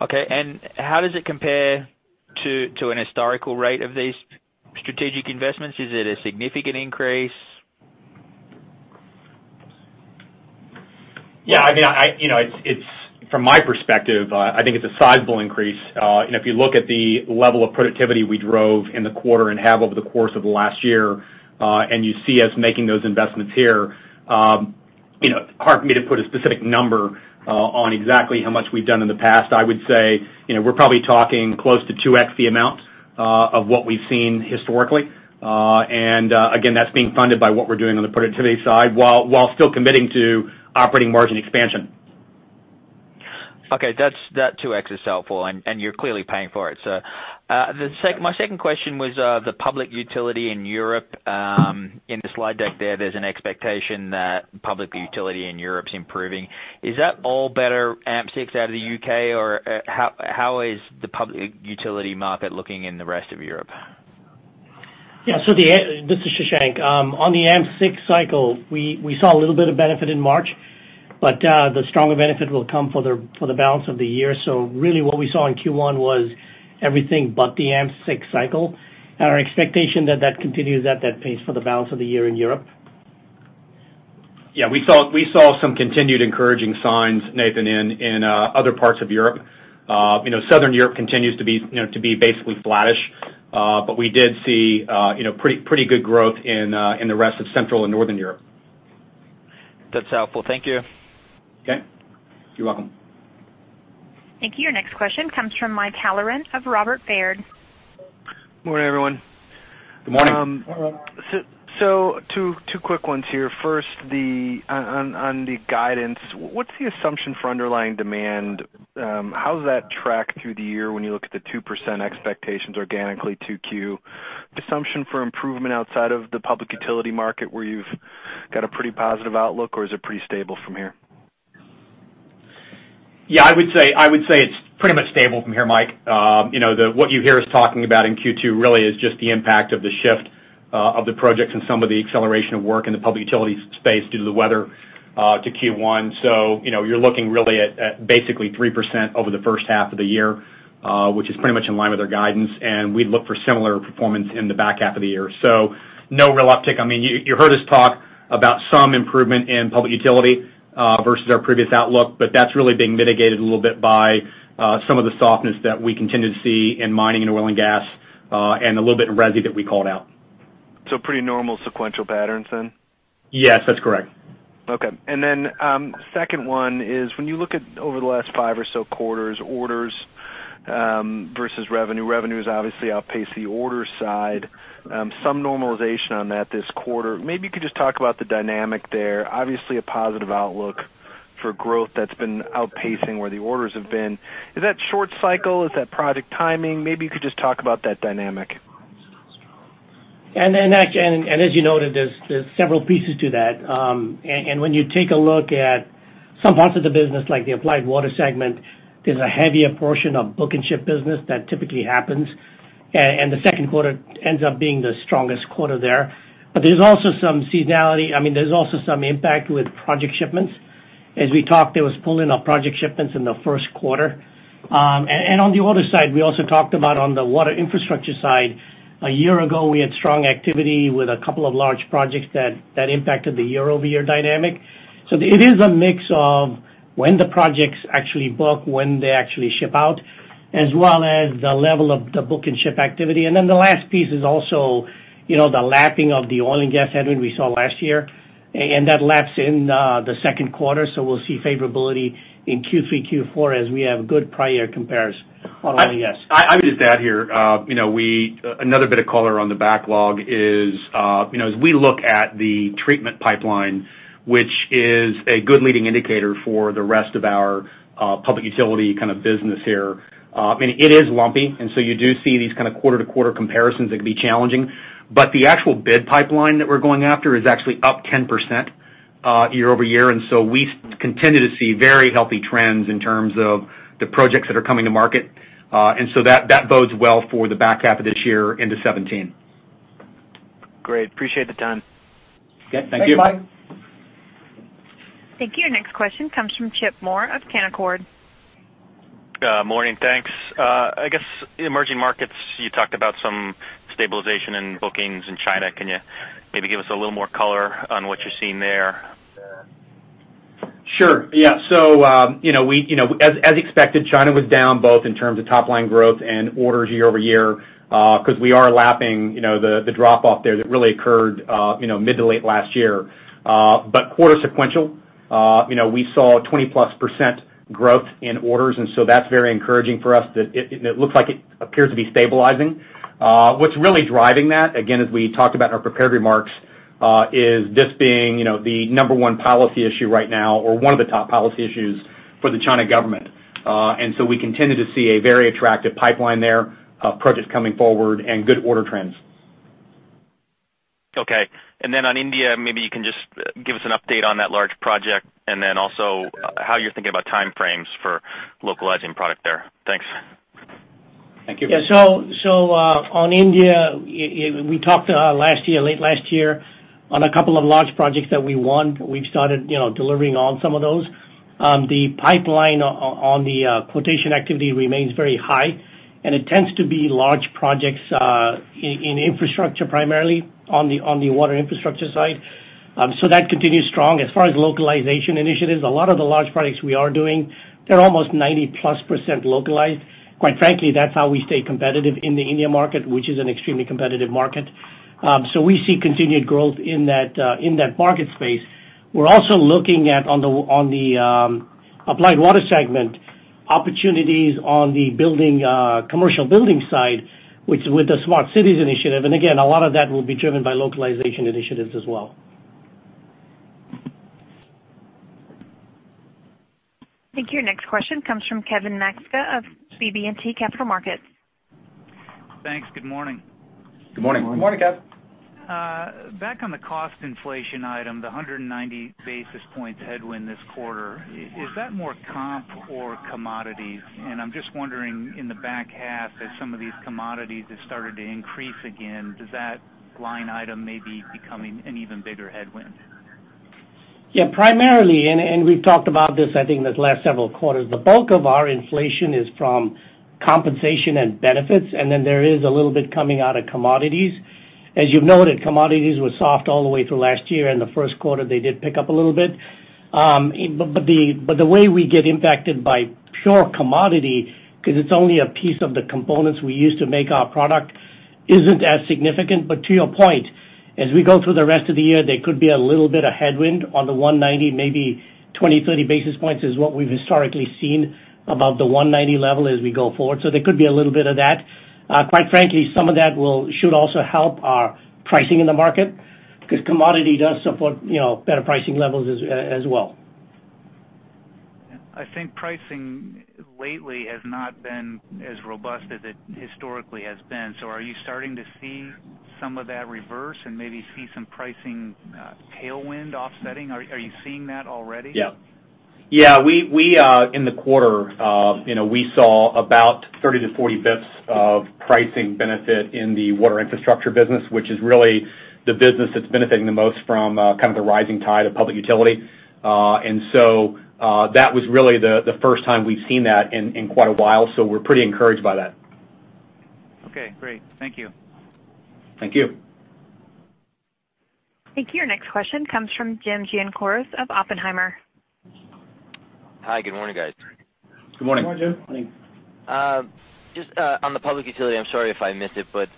Okay. How does it compare to an historical rate of these strategic investments? Is it a significant increase? Yeah. From my perspective, I think it's a sizable increase. If you look at the level of productivity we drove in the quarter and have over the course of the last year, and you see us making those investments here. It's hard for me to put a specific number on exactly how much we've done in the past. I would say, we're probably talking close to 2x the amount of what we've seen historically. Again, that's being funded by what we're doing on the productivity side, while still committing to operating margin expansion. Okay. That 2x is helpful, and you're clearly paying for it. My second question was, the public utility in Europe. In the slide deck there's an expectation that public utility in Europe's improving. Is that all better AMP6 out of the U.K., or how is the public utility market looking in the rest of Europe? Yeah. This is Shashank. On the AMP6 cycle, we saw a little bit of benefit in March, but the stronger benefit will come for the balance of the year. Really what we saw in Q1 was everything but the AMP6 cycle. Our expectation that that continues at that pace for the balance of the year in Europe. Yeah, we saw some continued encouraging signs, Nathan, in other parts of Europe. Southern Europe continues to be basically flattish. We did see pretty good growth in the rest of Central and Northern Europe. That's helpful. Thank you. Okay. You're welcome. Thank you. Your next question comes from Mike Halloran of Robert Baird. Morning, everyone. Good morning. Two quick ones here. First, on the guidance, what's the assumption for underlying demand? How does that track through the year when you look at the 2% expectations organically 2Q assumption for improvement outside of the public utility market where you've got a pretty positive outlook, or is it pretty stable from here? I would say it's pretty much stable from here, Mike. What you hear us talking about in Q2 really is just the impact of the shift of the projects and some of the acceleration of work in the public utility space due to the weather, to Q1. You're looking really at basically 3% over the first half of the year, which is pretty much in line with our guidance, and we look for similar performance in the back half of the year. No real uptick. You heard us talk about some improvement in public utility, versus our previous outlook, but that's really being mitigated a little bit by some of the softness that we continue to see in mining and oil and gas, and a little bit in resi that we called out. Pretty normal sequential patterns then? Yes, that's correct. Okay. Second one is when you look at over the last five or so quarters, orders versus revenue. Revenue is obviously outpaced the order side. Some normalization on that this quarter. Maybe you could just talk about the dynamic there. Obviously a positive outlook for growth that's been outpacing where the orders have been. Is that short cycle? Is that project timing? Maybe you could just talk about that dynamic. As you noted, there's several pieces to that. When you take a look at some parts of the business, like the Applied Water segment, there's a heavier portion of book and ship business that typically happens. The second quarter ends up being the strongest quarter there. There's also some seasonality. There's also some impact with project shipments. As we talked, there was pulling of project shipments in the first quarter. On the other side, we also talked about on the Water Infrastructure side, a year ago, we had strong activity with a couple of large projects that impacted the year-over-year dynamic. It is a mix of when the projects actually book, when they actually ship out. As well as the level of the book and ship activity. The last piece is also the lapping of the oil and gas headwind we saw last year, that laps in the 2Q. We'll see favorability in Q3, Q4 as we have good prior compares on oil and gas. I would just add here. Another bit of color on the backlog is, as we look at the treatment pipeline, which is a good leading indicator for the rest of our public utility business here. It is lumpy, you do see these kind of quarter-to-quarter comparisons that can be challenging. The actual bid pipeline that we're going after is actually up 10% year-over-year. We continue to see very healthy trends in terms of the projects that are coming to market. That bodes well for the back half of this year into 2017. Great. Appreciate the time. Okay. Thank you. Thanks, Mike. Thank you. Your next question comes from Chip Moore of Canaccord. Morning, thanks. I guess emerging markets, you talked about some stabilization in bookings in China. Can you maybe give us a little more color on what you're seeing there? Sure. Yeah. As expected, China was down both in terms of top-line growth and orders year-over-year, because we are lapping the drop-off there that really occurred mid to late last year. Quarter-sequential, we saw 20-plus % growth in orders, that's very encouraging for us, and it looks like it appears to be stabilizing. What's really driving that, again, as we talked about in our prepared remarks, is this being the number 1 policy issue right now or one of the top policy issues for the China government. We continue to see a very attractive pipeline there of projects coming forward and good order trends. Okay. On India, maybe you can just give us an update on that large project and then also how you're thinking about time frames for localizing product there. Thanks. Thank you. Yeah. On India, we talked late last year on a couple of large projects that we won. We've started delivering on some of those. The pipeline on the quotation activity remains very high, and it tends to be large projects in infrastructure, primarily on the Water Infrastructure side. That continues strong. As far as localization initiatives, a lot of the large projects we are doing, they're almost 90-plus% localized. Quite frankly, that's how we stay competitive in the India market, which is an extremely competitive market. We see continued growth in that market space. We're also looking at, on the Applied Water segment, opportunities on the commercial building side with the Smart Cities initiative. Again, a lot of that will be driven by localization initiatives as well. Thank you. Your next question comes from Kevin Max of BB&T Capital Markets. Thanks. Good morning. Good morning. Good morning, Kevin. Back on the cost inflation item, the 190 basis points headwind this quarter, is that more comp or commodities? I'm just wondering in the back half as some of these commodities have started to increase again, does that line item may be becoming an even bigger headwind? Yeah, primarily, we've talked about this, I think, these last several quarters. The bulk of our inflation is from compensation and benefits. Then there is a little bit coming out of commodities. As you've noted, commodities were soft all the way through last year. The first quarter, they did pick up a little bit. The way we get impacted by pure commodity, because it's only a piece of the components we use to make our product, isn't as significant. To your point, as we go through the rest of the year, there could be a little bit of headwind on the 190, maybe 20, 30 basis points is what we've historically seen above the 190 level as we go forward. There could be a little bit of that. Quite frankly, some of that should also help our pricing in the market because commodity does support better pricing levels as well. I think pricing lately has not been as robust as it historically has been. Are you starting to see some of that reverse and maybe see some pricing tailwind offsetting? Are you seeing that already? Yeah. In the quarter, we saw about 30 to 40 basis points of pricing benefit in the Water Infrastructure business, which is really the business that's benefiting the most from kind of the rising tide of public utility. That was really the first time we've seen that in quite a while. We're pretty encouraged by that. Okay, great. Thank you. Thank you. Thank you. Your next question comes from Jim Gianakos of Oppenheimer. Hi, good morning, guys. Good morning. Good morning, Jim. Just on the public utility, I'm sorry if I missed it, but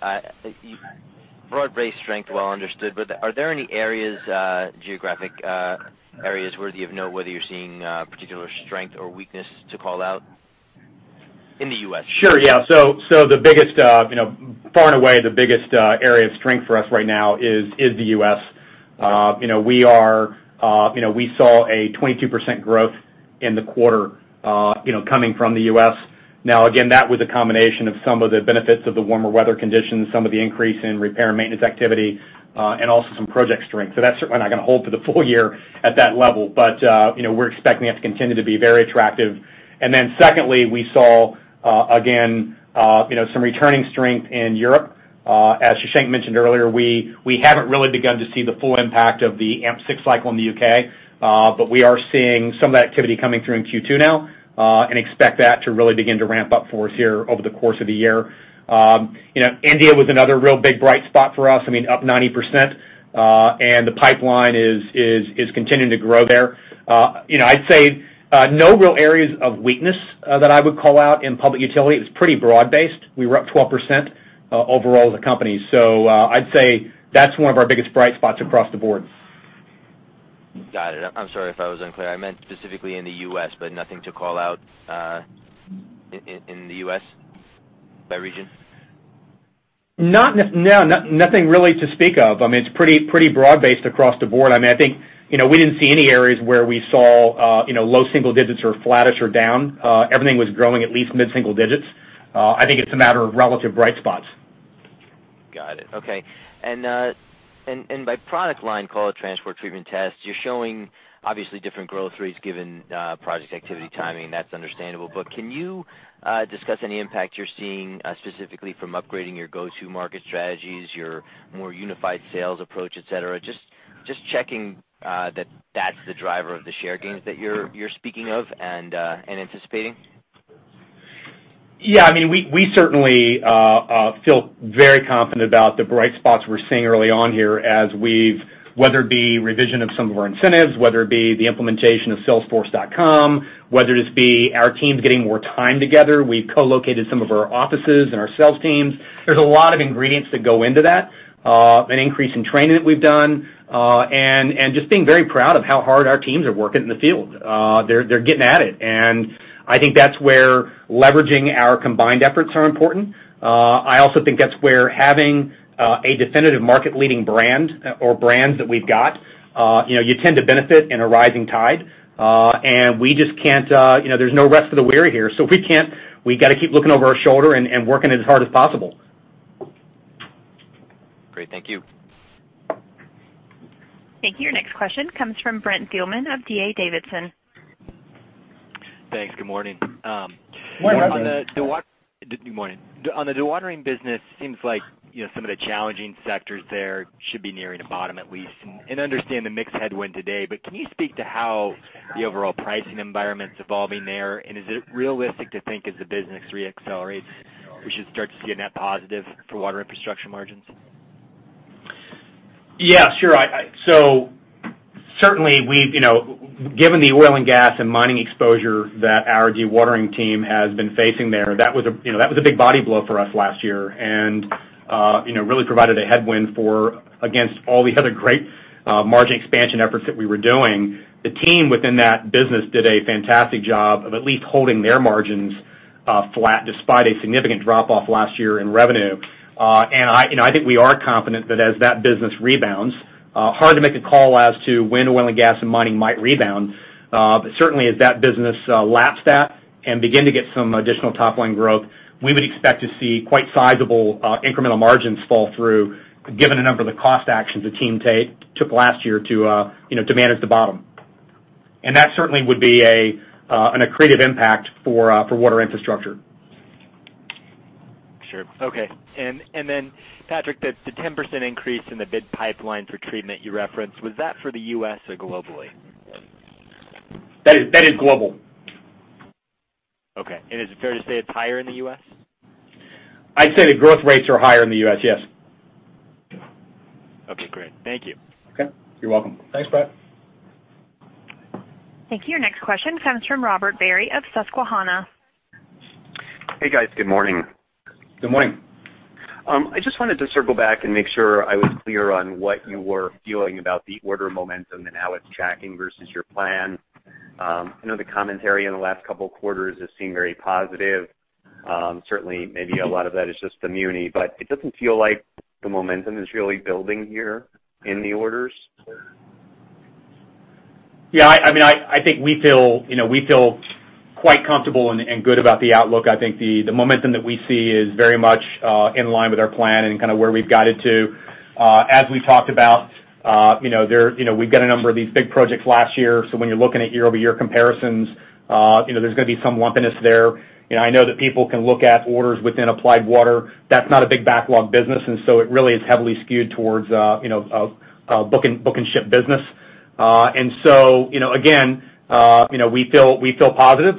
broad-based strength, well understood, but are there any areas, geographic areas where you know whether you're seeing particular strength or weakness to call out in the U.S.? Sure, yeah. Far and away, the biggest area of strength for us right now is the U.S. We saw a 22% growth in the quarter coming from the U.S. Again, that was a combination of some of the benefits of the warmer weather conditions, some of the increase in repair and maintenance activity, and also some project strength. That's certainly not going to hold for the full year at that level, but we're expecting it to continue to be very attractive. Secondly, we saw, again, some returning strength in Europe. As Shashank mentioned earlier, we haven't really begun to see the full impact of the AMP6 cycle in the U.K., but we are seeing some of that activity coming through in Q2 now and expect that to really begin to ramp up for us here over the course of the year. India was another real big bright spot for us, up 90%, and the pipeline is continuing to grow there. I'd say no real areas of weakness that I would call out in public utility. It was pretty broad-based. We were up 12% overall as a company. I'd say that's one of our biggest bright spots across the board. Got it. I'm sorry if I was unclear. I meant specifically in the U.S., nothing to call out in the U.S. by region? Nothing really to speak of. It's pretty broad-based across the board. I think we didn't see any areas where we saw low single digits or flattish or down. Everything was growing at least mid-single digits. I think it's a matter of relative bright spots. Got it. Okay. By product line, call it transport treatment tests, you're showing obviously different growth rates given projects activity timing. That's understandable. Can you discuss any impact you're seeing specifically from upgrading your go-to market strategies, your more unified sales approach, et cetera? Just checking that that's the driver of the share gains that you're speaking of and anticipating. Yeah, we certainly feel very confident about the bright spots we're seeing early on here whether it be revision of some of our incentives, whether it be the implementation of Salesforce.com, whether it just be our teams getting more time together. We've co-located some of our offices and our sales teams. There's a lot of ingredients that go into that. An increase in training that we've done and just being very proud of how hard our teams are working in the field. They're getting at it, and I think that's where leveraging our combined efforts are important. I also think that's where having a definitive market-leading brand or brands that we've got, you tend to benefit in a rising tide. We just can't there's no rest for the weary here, so we got to keep looking over our shoulder and working as hard as possible. Great. Thank you. Thank you. Your next question comes from Brent Thielman of D.A. Davidson. Thanks. Good morning. Good morning. Good morning. On the dewatering business, seems like some of the challenging sectors there should be nearing a bottom at least. I understand the mix headwind today, but can you speak to how the overall pricing environment's evolving there? Is it realistic to think as the business re-accelerates, we should start to see a net positive for Water Infrastructure margins? Yeah, sure. Certainly, given the oil and gas and mining exposure that our dewatering team has been facing there, that was a big body blow for us last year and really provided a headwind against all the other great margin expansion efforts that we were doing. The team within that business did a fantastic job of at least holding their margins flat, despite a significant drop-off last year in revenue. I think we are confident that as that business rebounds, hard to make a call as to when oil and gas and mining might rebound. Certainly as that business laps that and begin to get some additional top-line growth, we would expect to see quite sizable incremental margins fall through, given a number of the cost actions the team took last year to manage the bottom. That certainly would be an accretive impact for Water Infrastructure. Sure. Okay. Then Patrick, the 10% increase in the bid pipeline for treatment you referenced, was that for the U.S. or globally? That is global. Okay. Is it fair to say it's higher in the U.S.? I'd say the growth rates are higher in the U.S., yes. Okay, great. Thank you. Okay. You're welcome. Thanks, Brent. Thank you. Your next question comes from Robert Barry of Susquehanna. Hey, guys. Good morning. Good morning. I just wanted to circle back and make sure I was clear on what you were feeling about the order momentum and how it's tracking versus your plan. I know the commentary in the last couple of quarters has seemed very positive. Certainly, maybe a lot of that is just the muni, but it doesn't feel like the momentum is really building here in the orders. I think we feel quite comfortable and good about the outlook. I think the momentum that we see is very much in line with our plan and kind of where we've got it to. As we talked about, we've got a number of these big projects last year, so when you're looking at year-over-year comparisons, there's going to be some lumpiness there. I know that people can look at orders within Applied Water. That's not a big backlog business, so it really is heavily skewed towards book and ship business. Again, we feel positive.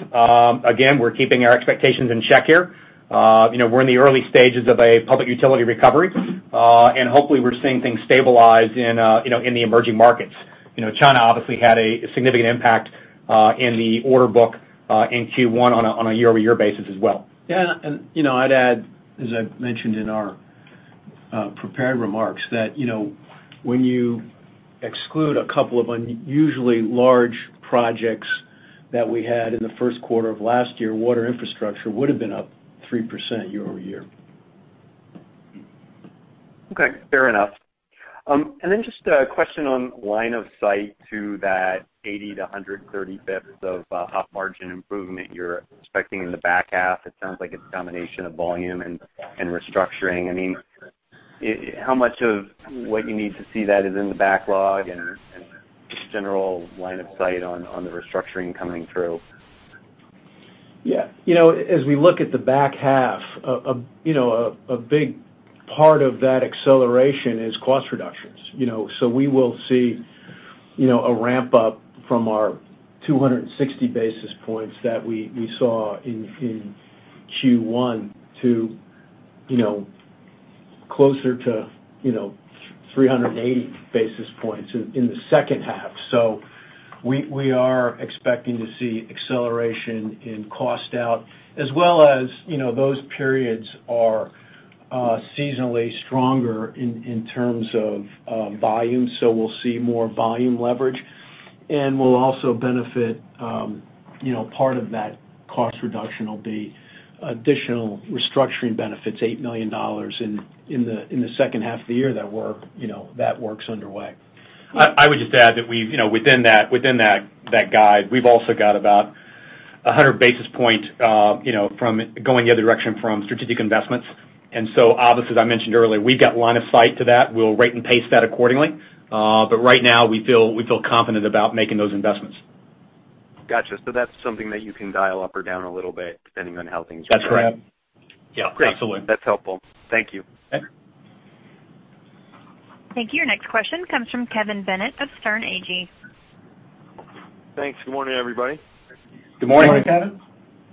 Again, we're keeping our expectations in check here. We're in the early stages of a public utility recovery, and hopefully we're seeing things stabilize in the emerging markets. China obviously had a significant impact in the order book in Q1 on a year-over-year basis as well. I'd add, as I mentioned in our prepared remarks, that when you exclude a couple of unusually large projects that we had in the first quarter of last year, Water Infrastructure would have been up 3% year-over-year. Okay, fair enough. Then just a question on line of sight to that 80 to 130 bps of op margin improvement you're expecting in the back half. It sounds like it's a combination of volume and restructuring. How much of what you need to see that is in the backlog and just general line of sight on the restructuring coming through? Yeah. As we look at the back half, a big part of that acceleration is cost reductions. We will see a ramp-up from our 260 basis points that we saw in Q1 to closer to 380 basis points in the second half. We are expecting to see acceleration in cost out as well as those periods are seasonally stronger in terms of volume, so we'll see more volume leverage. We'll also benefit, part of that cost reduction will be additional restructuring benefits, $8 million in the second half of the year that work's underway. I would just add that within that guide, we've also got about 100 basis point from going the other direction from strategic investments. Obviously, as I mentioned earlier, we've got line of sight to that. We'll rate and pace that accordingly. Right now, we feel confident about making those investments. Got you. That's something that you can dial up or down a little bit depending on how things go. That's correct. Yeah, absolutely. Great. That's helpful. Thank you. Okay. Thank you. Your next question comes from Kevin Bennett of Sterne Agee. Thanks. Good morning, everybody. Good morning. Good morning,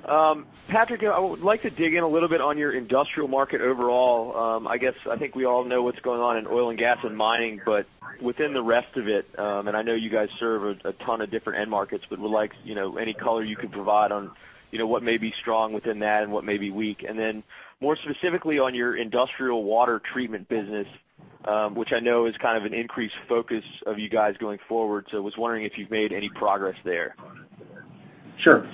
Kevin. Patrick, I would like to dig in a little bit on your industrial market overall. I guess, I think we all know what's going on in oil and gas and mining, but within the rest of it, and I know you guys serve a ton of different end markets, but would like any color you could provide on what may be strong within that and what may be weak. More specifically on your industrial water treatment business, which I know is kind of an increased focus of you guys going forward, so I was wondering if you've made any progress there. Sure.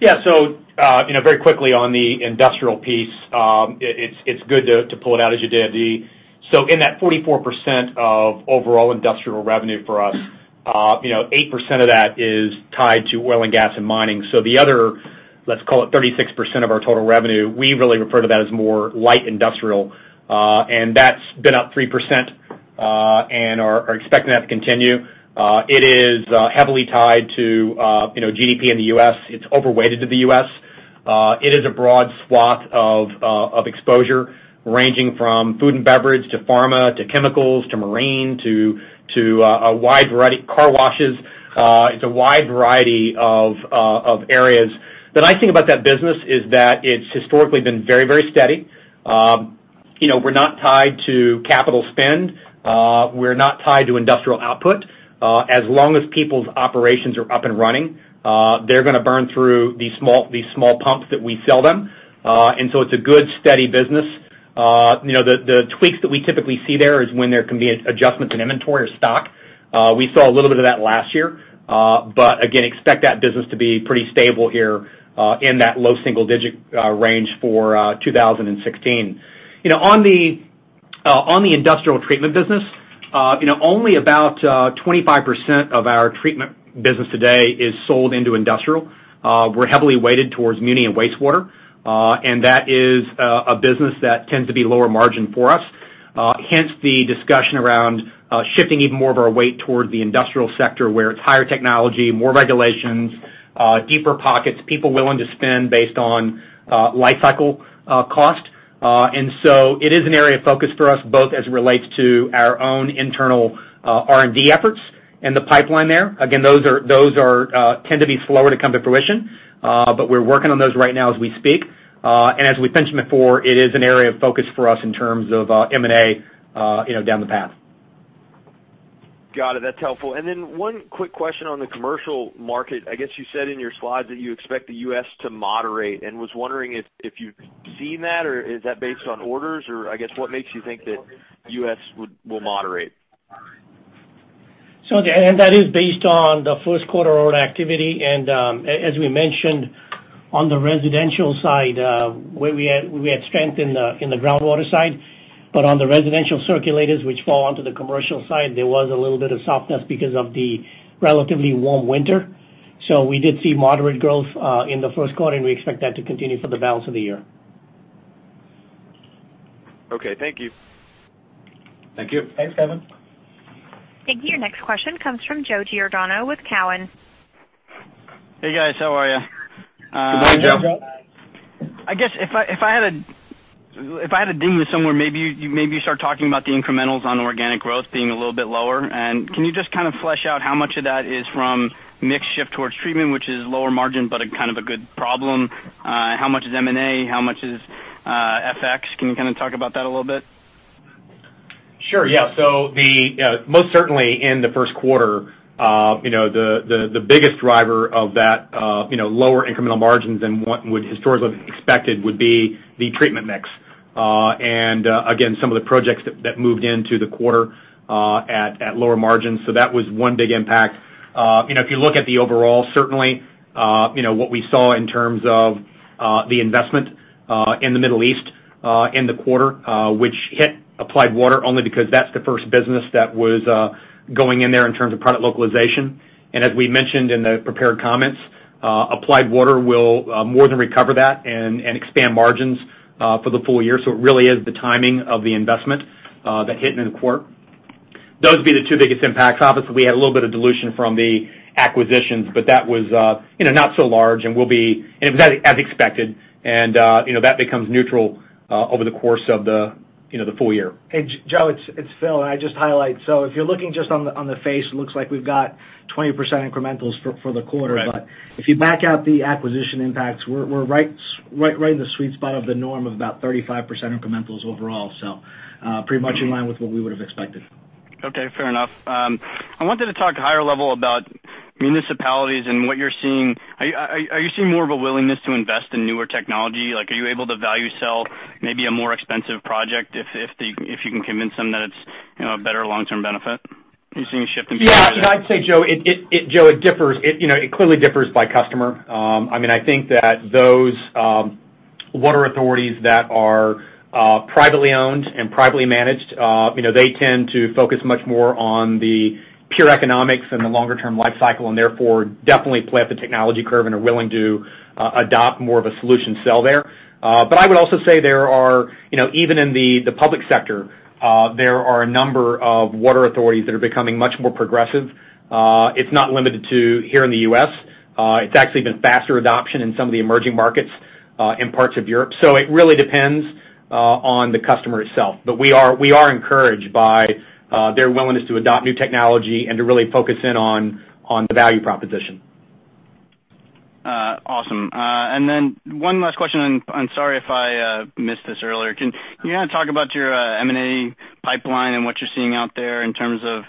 Yeah. Very quickly on the industrial piece, it's good to pull it out as you did. In that 44% of overall industrial revenue for us, 8% of that is tied to oil and gas and mining. The other, let's call it 36% of our total revenue, we really refer to that as more light industrial. That's been up 3% and are expecting that to continue. It is heavily tied to GDP in the U.S. It's over-weighted to the U.S. It is a broad swath of exposure ranging from food and beverage, to pharma, to chemicals, to marine, to a wide variety, car washes. It's a wide variety of areas. The nice thing about that business is that it's historically been very steady. We're not tied to capital spend. We're not tied to industrial output. As long as people's operations are up and running, they're going to burn through these small pumps that we sell them. It's a good, steady business. The tweaks that we typically see there is when there can be adjustments in inventory or stock. We saw a little bit of that last year. But again, expect that business to be pretty stable here, in that low single-digit range for 2016. On the industrial treatment business, only about 25% of our treatment business today is sold into industrial. We're heavily weighted towards muni and wastewater. That is a business that tends to be lower margin for us, hence the discussion around shifting even more of our weight toward the industrial sector where it's higher technology, more regulations, deeper pockets, people willing to spend based on life cycle cost. It is an area of focus for us, both as it relates to our own internal R&D efforts and the pipeline there. Again, those tend to be slower to come to fruition. We're working on those right now as we speak. As we mentioned before, it is an area of focus for us in terms of M&A down the path. Got it. That's helpful. One quick question on the commercial market. I guess you said in your slides that you expect the U.S. to moderate, and was wondering if you've seen that, or is that based on orders, or I guess what makes you think that U.S. will moderate? That is based on the first quarter order activity. As we mentioned on the residential side, where we had strength in the groundwater side, but on the residential circulators, which fall onto the commercial side, there was a little bit of softness because of the relatively warm winter. We did see moderate growth in the first quarter, and we expect that to continue for the balance of the year. Okay, thank you. Thank you. Thanks, Kevin. Thank you. Your next question comes from Joe Giordano with Cowen. Hey, guys. How are you? Good morning, Joe. Good morning, Joe. I guess if I had to ding this somewhere, maybe you start talking about the incrementals on organic growth being a little bit lower. Can you just kind of flesh out how much of that is from mix shift towards treatment, which is lower margin, but a kind of a good problem? How much is M&A? How much is FX? Can you kind of talk about that a little bit? Sure, yeah. Most certainly in the first quarter, the biggest driver of that lower incremental margins than what we'd historically expected would be the treatment mix. Again, some of the projects that moved into the quarter at lower margins. That was one big impact. If you look at the overall, certainly what we saw in terms of the investment in the Middle East in the quarter which hit Applied Water only because that's the first business that was going in there in terms of product localization. As we mentioned in the prepared comments, Applied Water will more than recover that and expand margins for the full year. It really is the timing of the investment that hit in the quarter. Those would be the two biggest impacts. Obviously, we had a little bit of dilution from the acquisitions, but that was not so large, and as expected. That becomes neutral over the course of the full year. Hey, Joe, it's Phil, and I'd just highlight. If you're looking just on the face, it looks like we've got 20% incrementals for the quarter. Right. If you back out the acquisition impacts, we're right in the sweet spot of the norm of about 35% incrementals overall. Pretty much in line with what we would've expected. Okay, fair enough. I wanted to talk higher level about municipalities and what you're seeing. Are you seeing more of a willingness to invest in newer technology? Are you able to value sell maybe a more expensive project if you can convince them that it's a better long-term benefit? Are you seeing a shift in behavior there? Yeah. I'd say, Joe, it clearly differs by customer. I think that those water authorities that are privately owned and privately managed, they tend to focus much more on the pure economics and the longer-term life cycle, and therefore, definitely play up the technology curve and are willing to adopt more of a solution sell there. I would also say, even in the public sector, there are a number of water authorities that are becoming much more progressive. It's not limited to here in the U.S. It's actually been faster adoption in some of the emerging markets, in parts of Europe. It really depends on the customer itself. We are encouraged by their willingness to adopt new technology and to really focus in on the value proposition. Awesome. One last question, and I'm sorry if I missed this earlier. Can you talk about your M&A pipeline and what you're seeing out there in terms of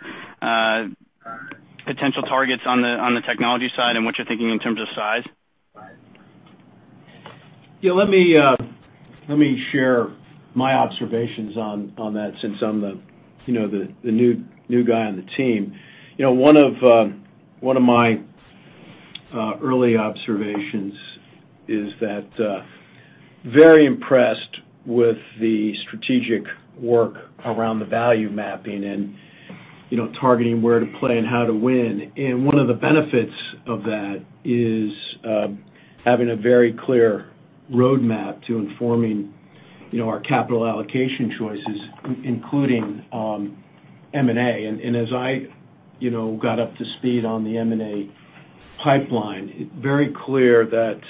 potential targets on the technology side and what you're thinking in terms of size? Let me share my observations on that, since I'm the new guy on the team. One of my early observations is that very impressed with the strategic work around the value mapping and targeting where to play and how to win. One of the benefits of that is having a very clear roadmap to informing our capital allocation choices, including M&A. As I got up to speed on the M&A pipeline, very clear that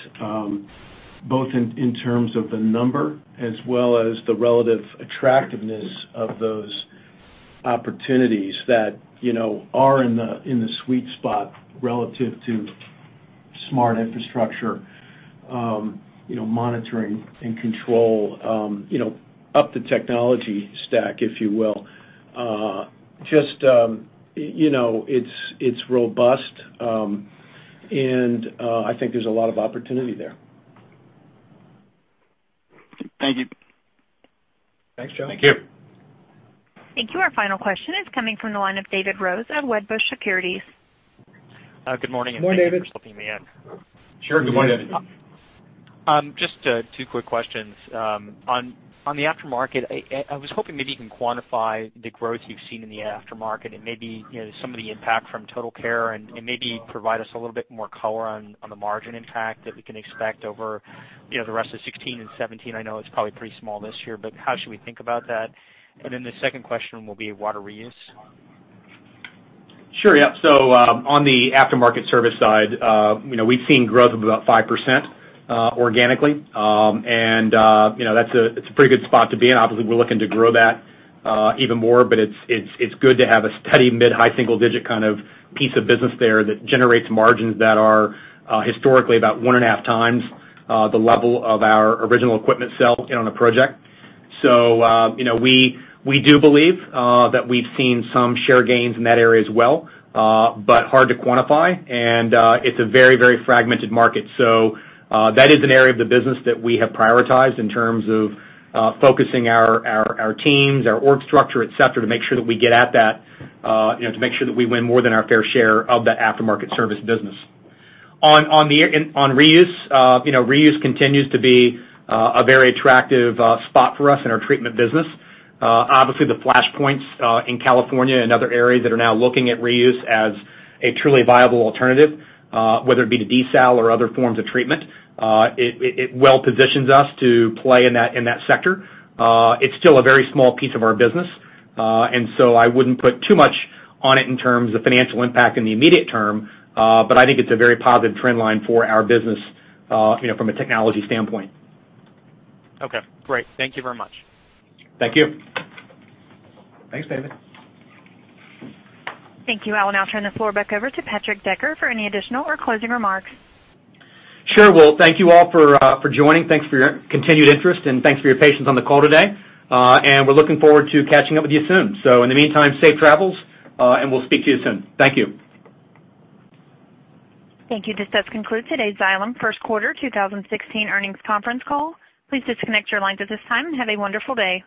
both in terms of the number as well as the relative attractiveness of those opportunities that are in the sweet spot relative to smart infrastructure, monitoring, and control up the technology stack, if you will. Just it's robust, and I think there's a lot of opportunity there. Thank you. Thanks, Joe. Thank you. Thank you. Our final question is coming from the line of David Rose of Wedbush Securities. Good morning. Good morning, David. Thank you for slipping me in. Sure. Good morning, David. Just two quick questions. On the aftermarket, I was hoping maybe you can quantify the growth you've seen in the aftermarket and maybe some of the impact from TotalCare and maybe provide us a little bit more color on the margin impact that we can expect over the rest of 2016 and 2017. I know it's probably pretty small this year, but how should we think about that? The second question will be water reuse. Sure. Yeah. On the aftermarket service side, we've seen growth of about 5% organically. It's a pretty good spot to be in. Obviously, we're looking to grow that even more, but it's good to have a steady mid-high single-digit piece of business there that generates margins that are historically about one and a half times the level of our original equipment sell on a project. We do believe that we've seen some share gains in that area as well, but hard to quantify, and it's a very, very fragmented market. That is an area of the business that we have prioritized in terms of focusing our teams, our org structure, et cetera, to make sure that we get at that, to make sure that we win more than our fair share of the aftermarket service business. On reuse continues to be a very attractive spot for us in our treatment business. Obviously, the flashpoints in California and other areas that are now looking at reuse as a truly viable alternative, whether it be to desalination or other forms of treatment, it well positions us to play in that sector. It's still a very small piece of our business, I wouldn't put too much on it in terms of financial impact in the immediate term. I think it's a very positive trend line for our business, from a technology standpoint. Okay, great. Thank you very much. Thank you. Thanks, David. Thank you. I will now turn the floor back over to Patrick Decker for any additional or closing remarks. Well, thank you all for joining. Thanks for your continued interest, and thanks for your patience on the call today. We're looking forward to catching up with you soon. In the meantime, safe travels, and we'll speak to you soon. Thank you. Thank you. This does conclude today's Xylem First Quarter 2016 earnings conference call. Please disconnect your lines at this time, and have a wonderful day.